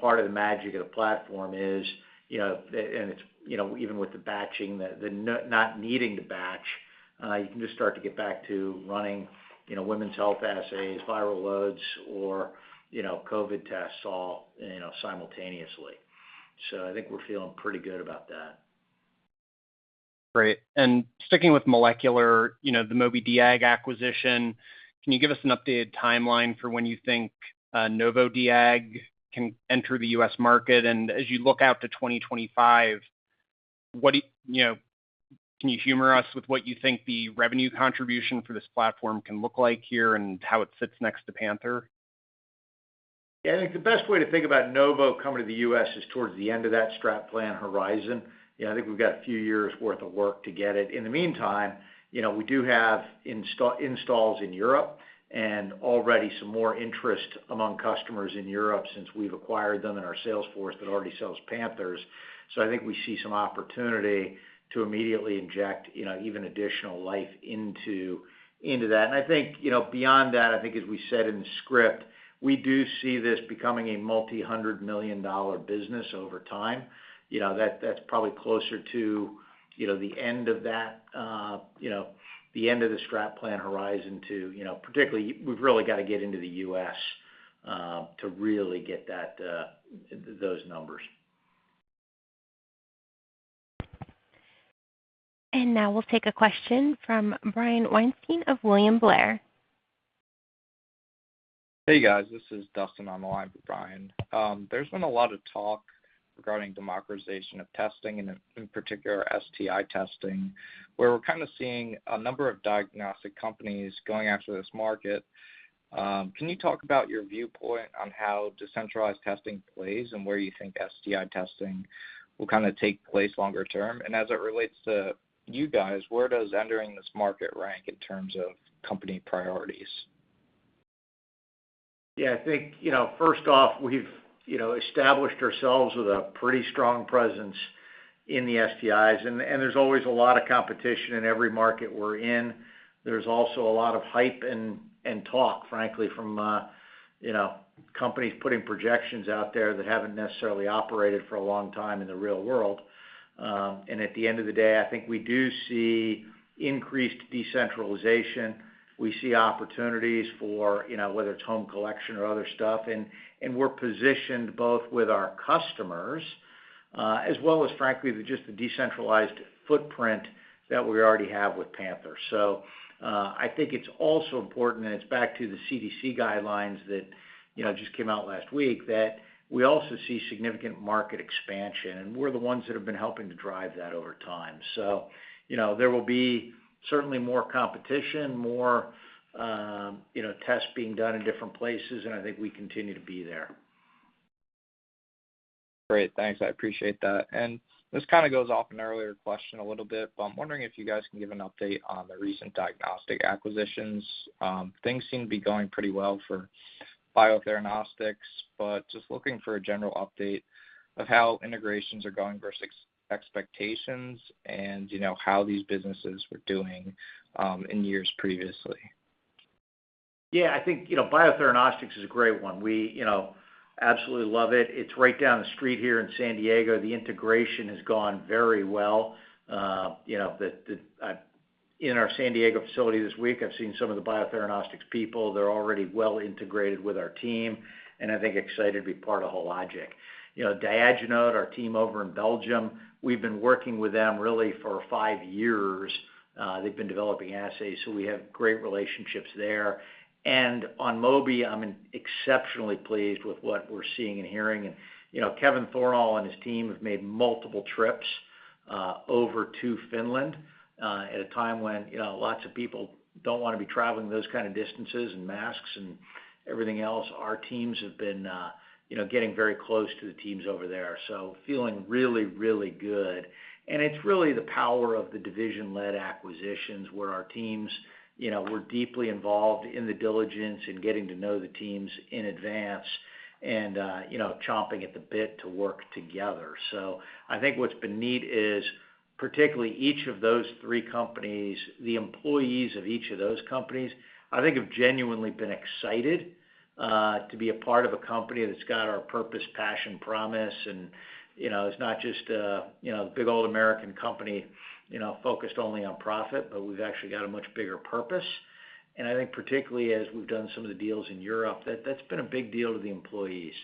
C: Part of the magic of the platform is, and it's even with the batching, the not needing to batch, you can just start to get back to running women's health assays, viral loads, or COVID tests all simultaneously. I think we're feeling pretty good about that.
H: Great. Sticking with molecular, the Mobidiag acquisition, can you give us an updated timeline for when you think Novodiag can enter the U.S. market? As you look out to 2025, can you humor us with what you think the revenue contribution for this platform can look like here, and how it sits next to Panther?
C: Yeah. I think the best way to think about Novo coming to the U.S. is towards the end of that strat plan horizon. I think we've got a few years' worth of work to get it. In the meantime, we do have installs in Europe and already some more interest among customers in Europe since we've acquired them in our sales force that already sells Panther. I think we see some opportunity to immediately inject even additional life into that. I think, beyond that, I think as we said in the script, we do see this becoming a multi-hundred million dollar business over time. That's probably closer to the end of the strat plan horizon to particularly, we've really got to get into the U.S., to really get those numbers.
A: Now we'll take a question from Brian Weinstein of William Blair.
I: Hey, guys. This is Dustin on the line for Brian. There's been a lot of talk regarding democratization of testing, and in particular, STI testing, where we're kind of seeing a number of diagnostic companies going after this market. Can you talk about your viewpoint on how decentralized testing plays and where you think STI testing will take place longer term? As it relates to you guys, where does entering this market rank in terms of company priorities?
C: Yeah, I think first off, we've established ourselves with a pretty strong presence in the STIs. There's always a lot of competition in every market we're in. There's also a lot of hype and talk, frankly, from companies putting projections out there that haven't necessarily operated for a long time in the real world. At the end of the day, I think we do see increased decentralization. We see opportunities for whether it's home collection or other stuff, and we're positioned both with our customers, as well as frankly, just the decentralized footprint that we already have with Panther. I think it's also important, and it's back to the CDC guidelines that just came out last week, that we also see significant market expansion, and we're the ones that have been helping to drive that over time. There will be certainly more competition, more tests being done in different places, and I think we continue to be there.
I: Great. Thanks. I appreciate that. This kind of goes off an earlier question a little bit, but I'm wondering if you guys can give an update on the recent diagnostic acquisitions. Things seem to be going pretty well for Biotheranostics, but just looking for a general update of how integrations are going versus expectations and how these businesses were doing in years previously.
C: Yeah, I think Biotheranostics is a great one. We absolutely love it. It's right down the street here in San Diego. The integration has gone very well. In our San Diego facility this week, I've seen some of the Biotheranostics people. They're already well integrated with our team, and I think excited to be part of Hologic. Diagenode, our team over in Belgium, we've been working with them really for five years. They've been developing assays, we have great relationships there. On Mobi, I'm exceptionally pleased with what we're seeing and hearing. Kevin Thornal and his team have made multiple trips over to Finland, at a time when lots of people don't want to be traveling those kind of distances in masks and everything else. Our teams have been getting very close to the teams over there, feeling really, really good. It's really the power of the division-led acquisitions, where our teams were deeply involved in the diligence and getting to know the teams in advance and chomping at the bit to work together. I think what's been neat is particularly each of those three companies, the employees of each of those companies, I think have genuinely been excited to be a part of a company that's got our purpose, passion, promise, and it's not just a big old American company focused only on profit, but we've actually got a much bigger purpose. I think particularly as we've done some of the deals in Europe, that's been a big deal to the employees.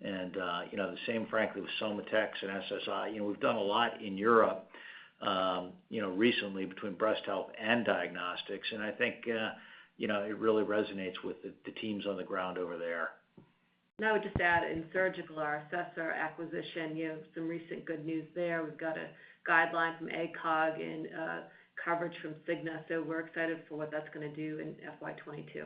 C: The same frankly with SOMATEX and SSI. We've done a lot in Europe recently between Breast Health and Diagnostics, and I think it really resonates with the teams on the ground over there.
D: I would just add, in Surgical, our Acessa acquisition, some recent good news there. We've got a guideline from ACOG and coverage from Cigna, we're excited for what that's going to do in FY 2022.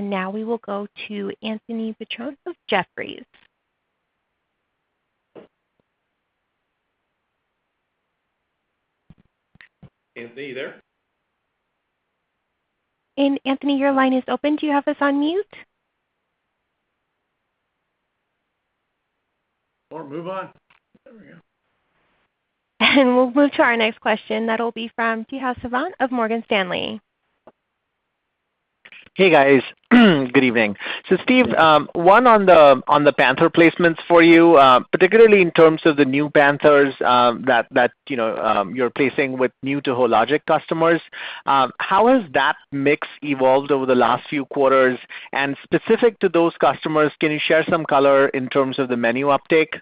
A: Now we will go to Anthony Petrone of Jefferies.
C: Anthony, are you there?
A: Anthony, your line is open. Do you have us on mute?
C: Move on. There we go.
A: We'll move to our next question, that'll be from Tejas Savant of Morgan Stanley.
J: Hey, guys. Good evening. Steve, one on the Panther placements for you, particularly in terms of the new Panthers that you're placing with new to Hologic customers. How has that mix evolved over the last few quarters? Specific to those customers, can you share some color in terms of the menu uptake?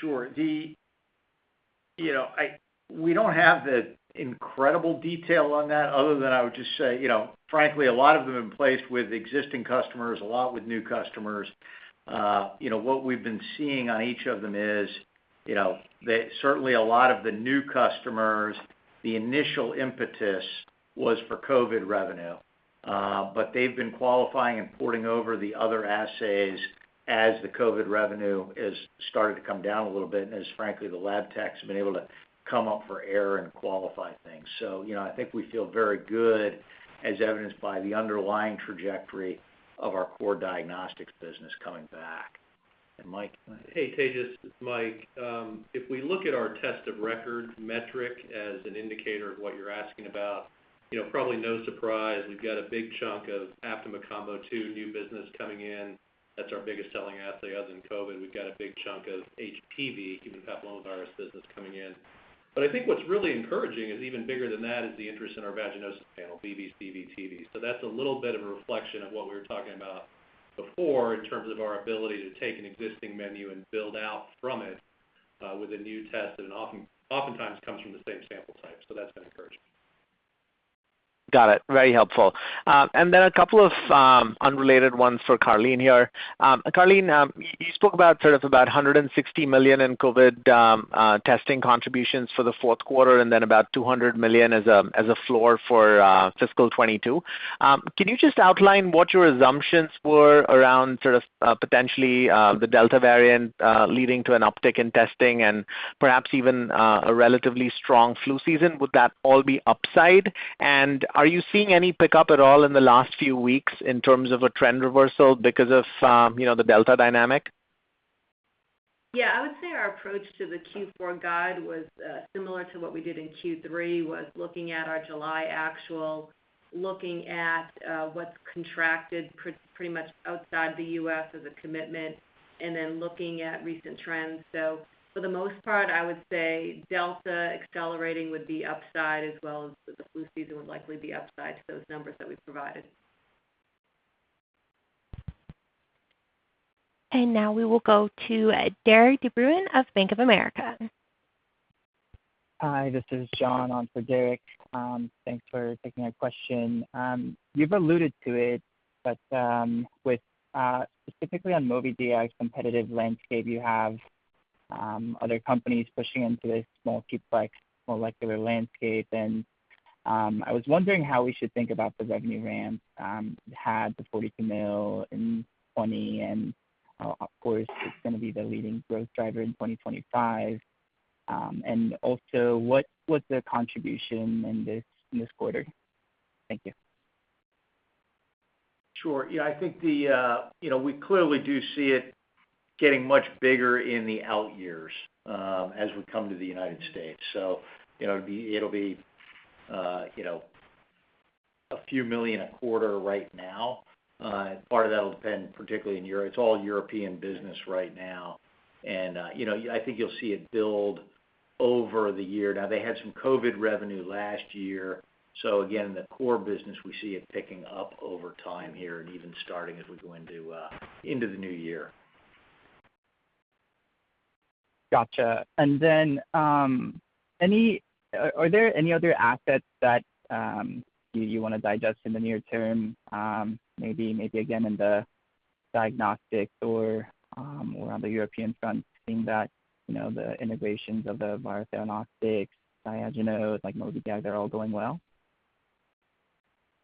C: Sure. We don't have the incredible detail on that other than I would just say, frankly, a lot of them have been placed with existing customers, a lot with new customers. What we've been seeing on each of them is that certainly a lot of the new customers, the initial impetus was for COVID revenue. They've been qualifying and porting over the other assays as the COVID revenue has started to come down a little bit, and as frankly, the lab techs have been able to come up for air and qualify things. I think we feel very good as evidenced by the underlying trajectory of our core diagnostics business coming back. Mike?
B: Hey, Tejas. It's Mike. If we look at our test of record metric as an indicator of what you're asking about, probably no surprise, we've got a big chunk of Aptima Combo 2 new business coming in. That's our biggest selling assay. Other than COVID, we've got a big chunk of HPV, human papillomavirus business coming in. I think what's really encouraging is even bigger than that is the interest in our vaginosis panel, BV, CV, TV. That's a little bit of a reflection of what we were talking about before in terms of our ability to take an existing menu and build out from it, with a new test, and oftentimes comes from the same sample type. That's been encouraging.
J: Got it. Very helpful. Then a couple of unrelated ones for Karleen here. Karleen, you spoke about sort of $160 million in COVID testing contributions for the fourth quarter, and then $200 million as a floor for fiscal 2022. Can you just outline what your assumptions were around sort of potentially the Delta variant leading to an uptick in testing and perhaps even a relatively strong flu season? Would that all be upside? Are you seeing any pickup at all in the last few weeks in terms of a trend reversal because of the Delta dynamic?
D: Yeah, I would say our approach to the Q4 guide was similar to what we did in Q3, was looking at our July actual, looking at what's contracted pretty much outside the U.S. as a commitment, and then looking at recent trends. For the most part, I would say Delta accelerating would be upside as well as the flu season would likely be upside to those numbers that we've provided.
A: Now we will go to Derik De Bruin of Bank of America.
K: Hi, this is John on for Derik. Thanks for taking our question. You've alluded to it, but specifically on Mobidiag's competitive landscape, you have other companies pushing into this multiplex molecular landscape, and I was wondering how we should think about the revenue ramp. Had the $42 million in 2020, of course, it's going to be the leading growth driver in 2025. Also, what's their contribution in this quarter? Thank you.
C: Sure. Yeah, I think we clearly do see it getting much bigger in the out years as we come to the United States. It'll be a few million a quarter right now. Part of that will depend particularly in Europe. It's all European business right now. I think you'll see it build over the year. Now, they had some COVID revenue last year. Again, the core business, we see it picking up over time here and even starting as we go into the new year.
K: Gotcha. Then, are there any other assets that you want to digest in the near term? Maybe again in the diagnostics or on the European front, seeing that the integrations of the Biotheranostics, Diagenode, like Mobidiag are all going well?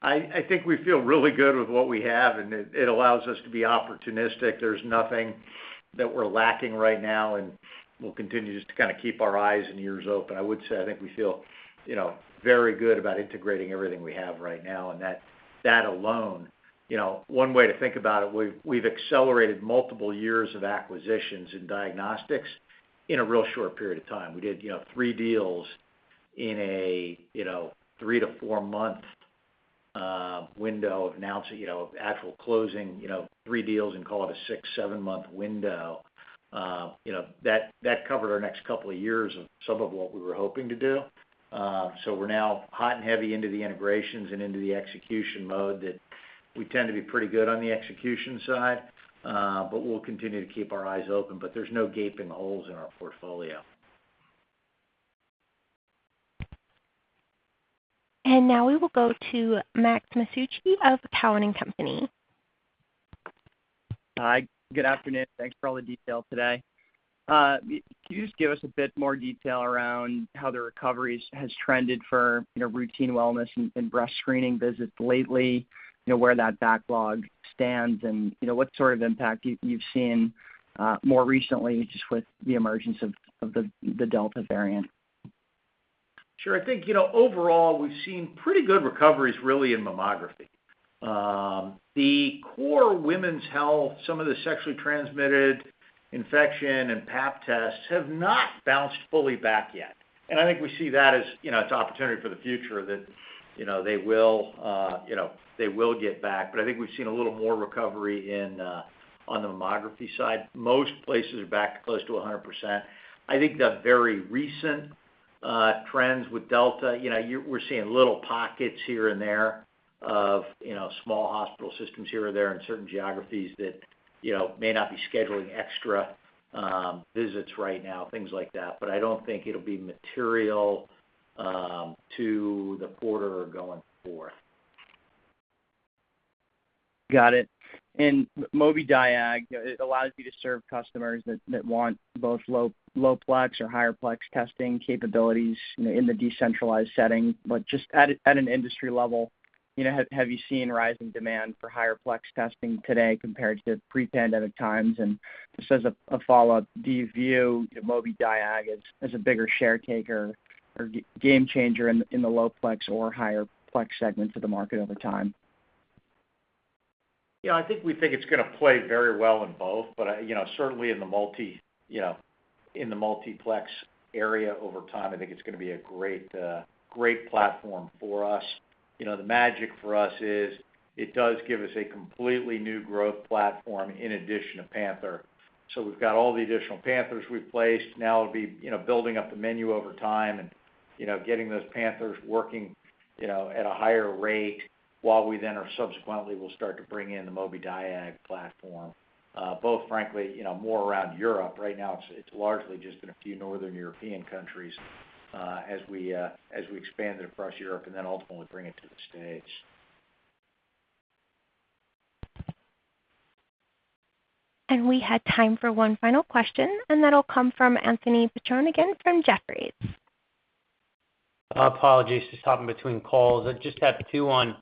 C: I think we feel really good with what we have, and it allows us to be opportunistic. There's nothing that we're lacking right now, and we'll continue to kind of keep our eyes and ears open. I would say I think we feel very good about integrating everything we have right now, and that alone, one way to think about it, we've accelerated multiple years of acquisitions in diagnostics in a real short period of time. We did three deals in a three to four month window of actual closing, three deals and call it a six, seven month window. That covered our next couple of years of some of what we were hoping to do. We're now hot and heavy into the integrations and into the execution mode that we tend to be pretty good on the execution side. We'll continue to keep our eyes open. There's no gaping holes in our portfolio.
A: Now we will go to Max Masucci of Cowen and Company.
L: Hi, good afternoon. Thanks for all the detail today. Can you just give us a bit more detail around how the recoveries have trended for routine wellness and breast screening visits lately, where that backlog stands and what sort of impact you've seen more recently just with the emergence of the Delta variant?
C: Sure. I think, overall, we've seen pretty good recoveries really in mammography. The core women's health, some of the sexually transmitted infection and Pap tests have not bounced fully back yet. I think we see that as opportunity for the future that they will get back. I think we've seen a little more recovery on the mammography side. Most places are back close to 100%. I think the very recent trends with Delta, we're seeing little pockets here and there of small hospital systems here or there in certain geographies that may not be scheduling extra visits right now, things like that. I don't think it'll be material to the quarter or going forth.
L: Got it. Mobidiag, it allows you to serve customers that want both low plex or higher plex testing capabilities in the decentralized setting. Just at an industry level, have you seen rising demand for higher plex testing today compared to pre-pandemic times? Just as a follow-up, do you view Mobidiag as a bigger share taker or game changer in the low plex or higher plex segments of the market over time?
C: Yeah, I think we think it's going to play very well in both. Certainly in the multiplex area over time, I think it's going to be a great platform for us. The magic for us is it does give us a completely new growth platform in addition to Panther. We've got all the additional Panthers we've placed, now it'll be building up the menu over time and getting those Panthers working at a higher rate while we then are subsequently will start to bring in the Mobidiag platform. Frankly more around Europe. Right now, it's largely just been a few Northern European countries as we expand it across Europe and then ultimately bring it to the States.
A: We have time for one final question, and that'll come from Anthony Petrone again from Jefferies.
M: Apologies, just hopping between calls. I just have two on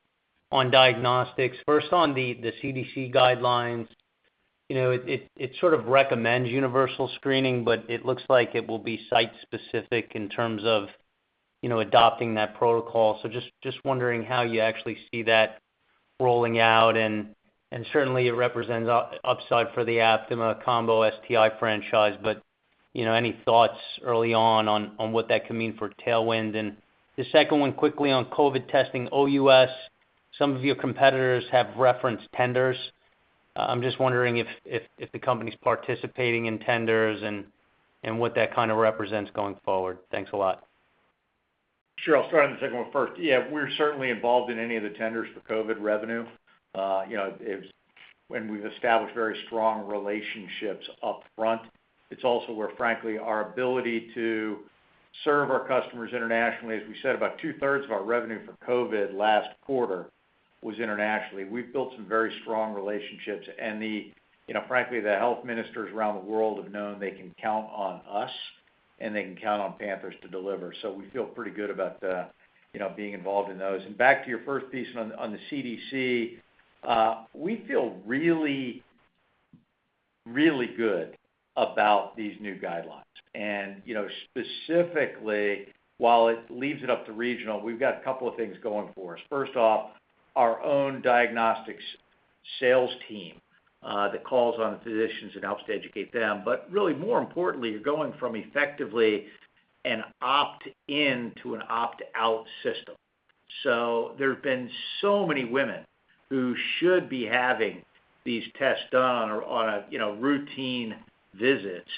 M: Diagnostics. First, on the CDC guidelines. It sort of recommends universal screening, but it looks like it will be site-specific in terms of adopting that protocol. Just wondering how you actually see that rolling out and certainly it represents upside for the Aptima Combo STI franchise, but any thoughts early on what that could mean for tailwind? The second one quickly on COVID testing, OUS, some of your competitors have referenced tenders. I'm just wondering if the company's participating in tenders and what that kind of represents going forward. Thanks a lot.
C: Sure. I'll start on the second one first. Yeah, we're certainly involved in any of the tenders for COVID revenue. We've established very strong relationships upfront. It's also where, frankly, our ability to serve our customers internationally, as we said, about 2/3 of our revenue for COVID last quarter was internationally. We've built some very strong relationships and frankly, the health ministers around the world have known they can count on us, and they can count on Panther to deliver. We feel pretty good about being involved in those. Back to your first piece on the CDC, we feel really, really good about these new guidelines. Specifically, while it leaves it up to regional, we've got a couple of things going for us. First off, our own diagnostics sales team, that calls on the physicians and helps to educate them. Really more importantly, you're going from effectively an opt-in to an opt-out system. There have been so many women who should be having these tests done or on a routine visits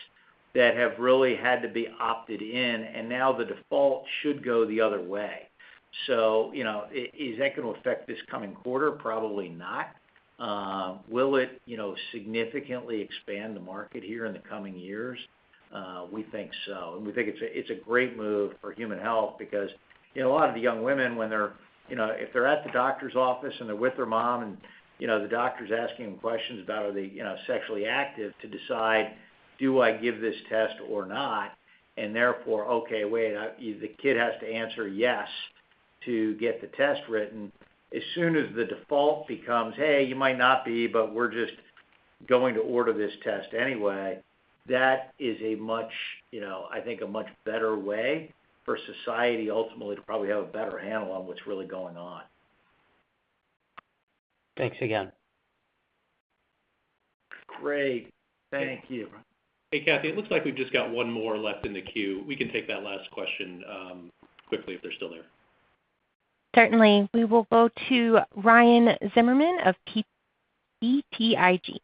C: that have really had to be opted in, and now the default should go the other way. Is that going to affect this coming quarter? Probably not. Will it significantly expand the market here in the coming years? We think so, and we think it's a great move for human health because a lot of the young women, if they're at the doctor's office and they're with their mom and the doctor's asking them questions about, are they sexually active to decide, do I give this test or not? Therefore, okay, wait, the kid has to answer yes to get the test written. As soon as the default becomes, "Hey, you might not be, but we're just going to order this test anyway." That is, I think, a much better way for society ultimately to probably have a better handle on what's really going on.
M: Thanks again.
C: Great. Thank you.
B: Hey, Kathy, it looks like we've just got one more left in the queue. We can take that last question quickly if they're still there.
A: Certainly. We will go to Ryan Zimmerman of BTIG.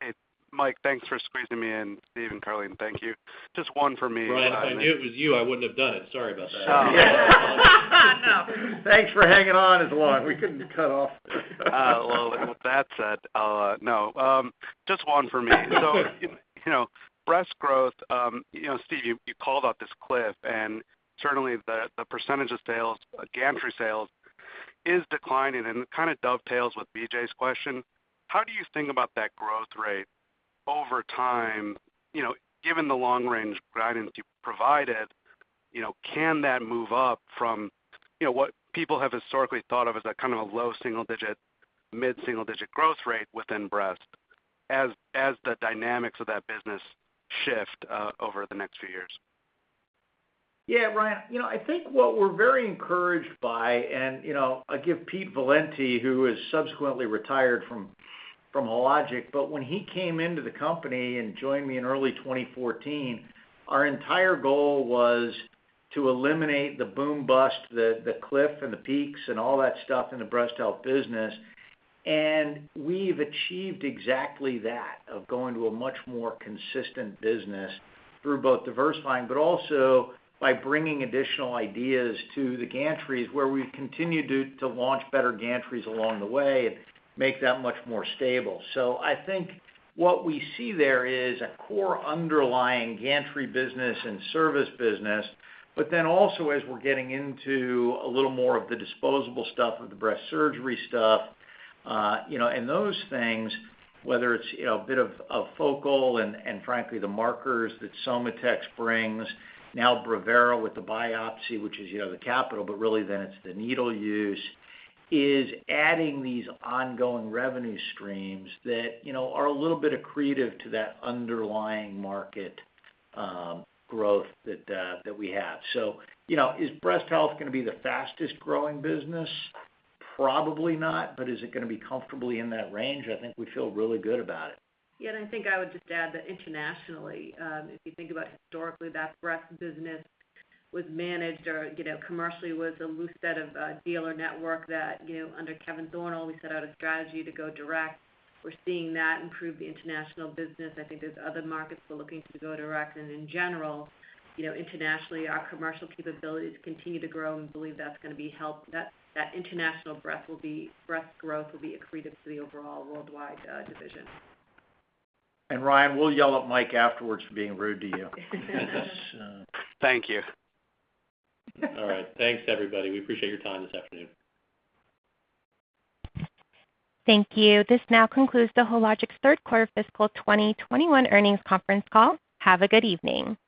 N: Hey, Mike. Thanks for squeezing me in, Steve and Karleen, thank you. Just one for me.
B: Ryan, if I knew it was you, I wouldn't have done it. Sorry about that.
N: Oh.
C: No, thanks for hanging on as long. We couldn't cut off.
N: With that said, no. Just one for me. Breast growth, Steve, you called out this cliff, and certainly the percentage of gantry sales is declining and kind of dovetails with Vijay's question. How do you think about that growth rate over time, given the long range guidance you provided, can that move up from what people have historically thought of as that kind of a low single-digit, mid-single-digit growth rate within breast as the dynamics of that business shift over the next few years?
C: Yeah, Ryan, I think what we're very encouraged by, and I give Pete Valenti, who has subsequently retired from Hologic, but when he came into the company and joined me in early 2014, our entire goal was to eliminate the boom bust, the cliff and the peaks and all that stuff in the Breast Health business. We've achieved exactly that, of going to a much more consistent business through both diversifying, but also by bringing additional ideas to the gantries where we've continued to launch better gantries along the way and make that much more stable. I think what we see there is a core underlying gantry business and service business, also as we're getting into a little more of the disposable stuff of the breast surgery stuff, and those things, whether it's a bit of Focal and frankly the markers that SOMATEX brings, now Brevera with the biopsy, which is the capital, but really then it's the needle use, is adding these ongoing revenue streams that are a little bit accretive to that underlying market growth that we have. Is Breast Health going to be the fastest growing business? Probably not. Is it going to be comfortably in that range? I think we feel really good about it.
D: I think I would just add that internationally, if you think about historically that breast business was managed or commercially was a loose set of dealer network that under Kevin Thornal, we set out a strategy to go direct. We're seeing that improve the international business. I think there's other markets we're looking to go direct. In general, internationally our commercial capabilities continue to grow and believe that's going to be helped, that international breast growth will be accretive to the overall worldwide division.
C: Ryan, we'll yell at Mike afterwards for being rude to you.
N: Thank you.
B: All right. Thanks everybody. We appreciate your time this afternoon.
A: Thank you. This now concludes the Hologic's third quarter fiscal 2021 earnings conference call. Have a good evening.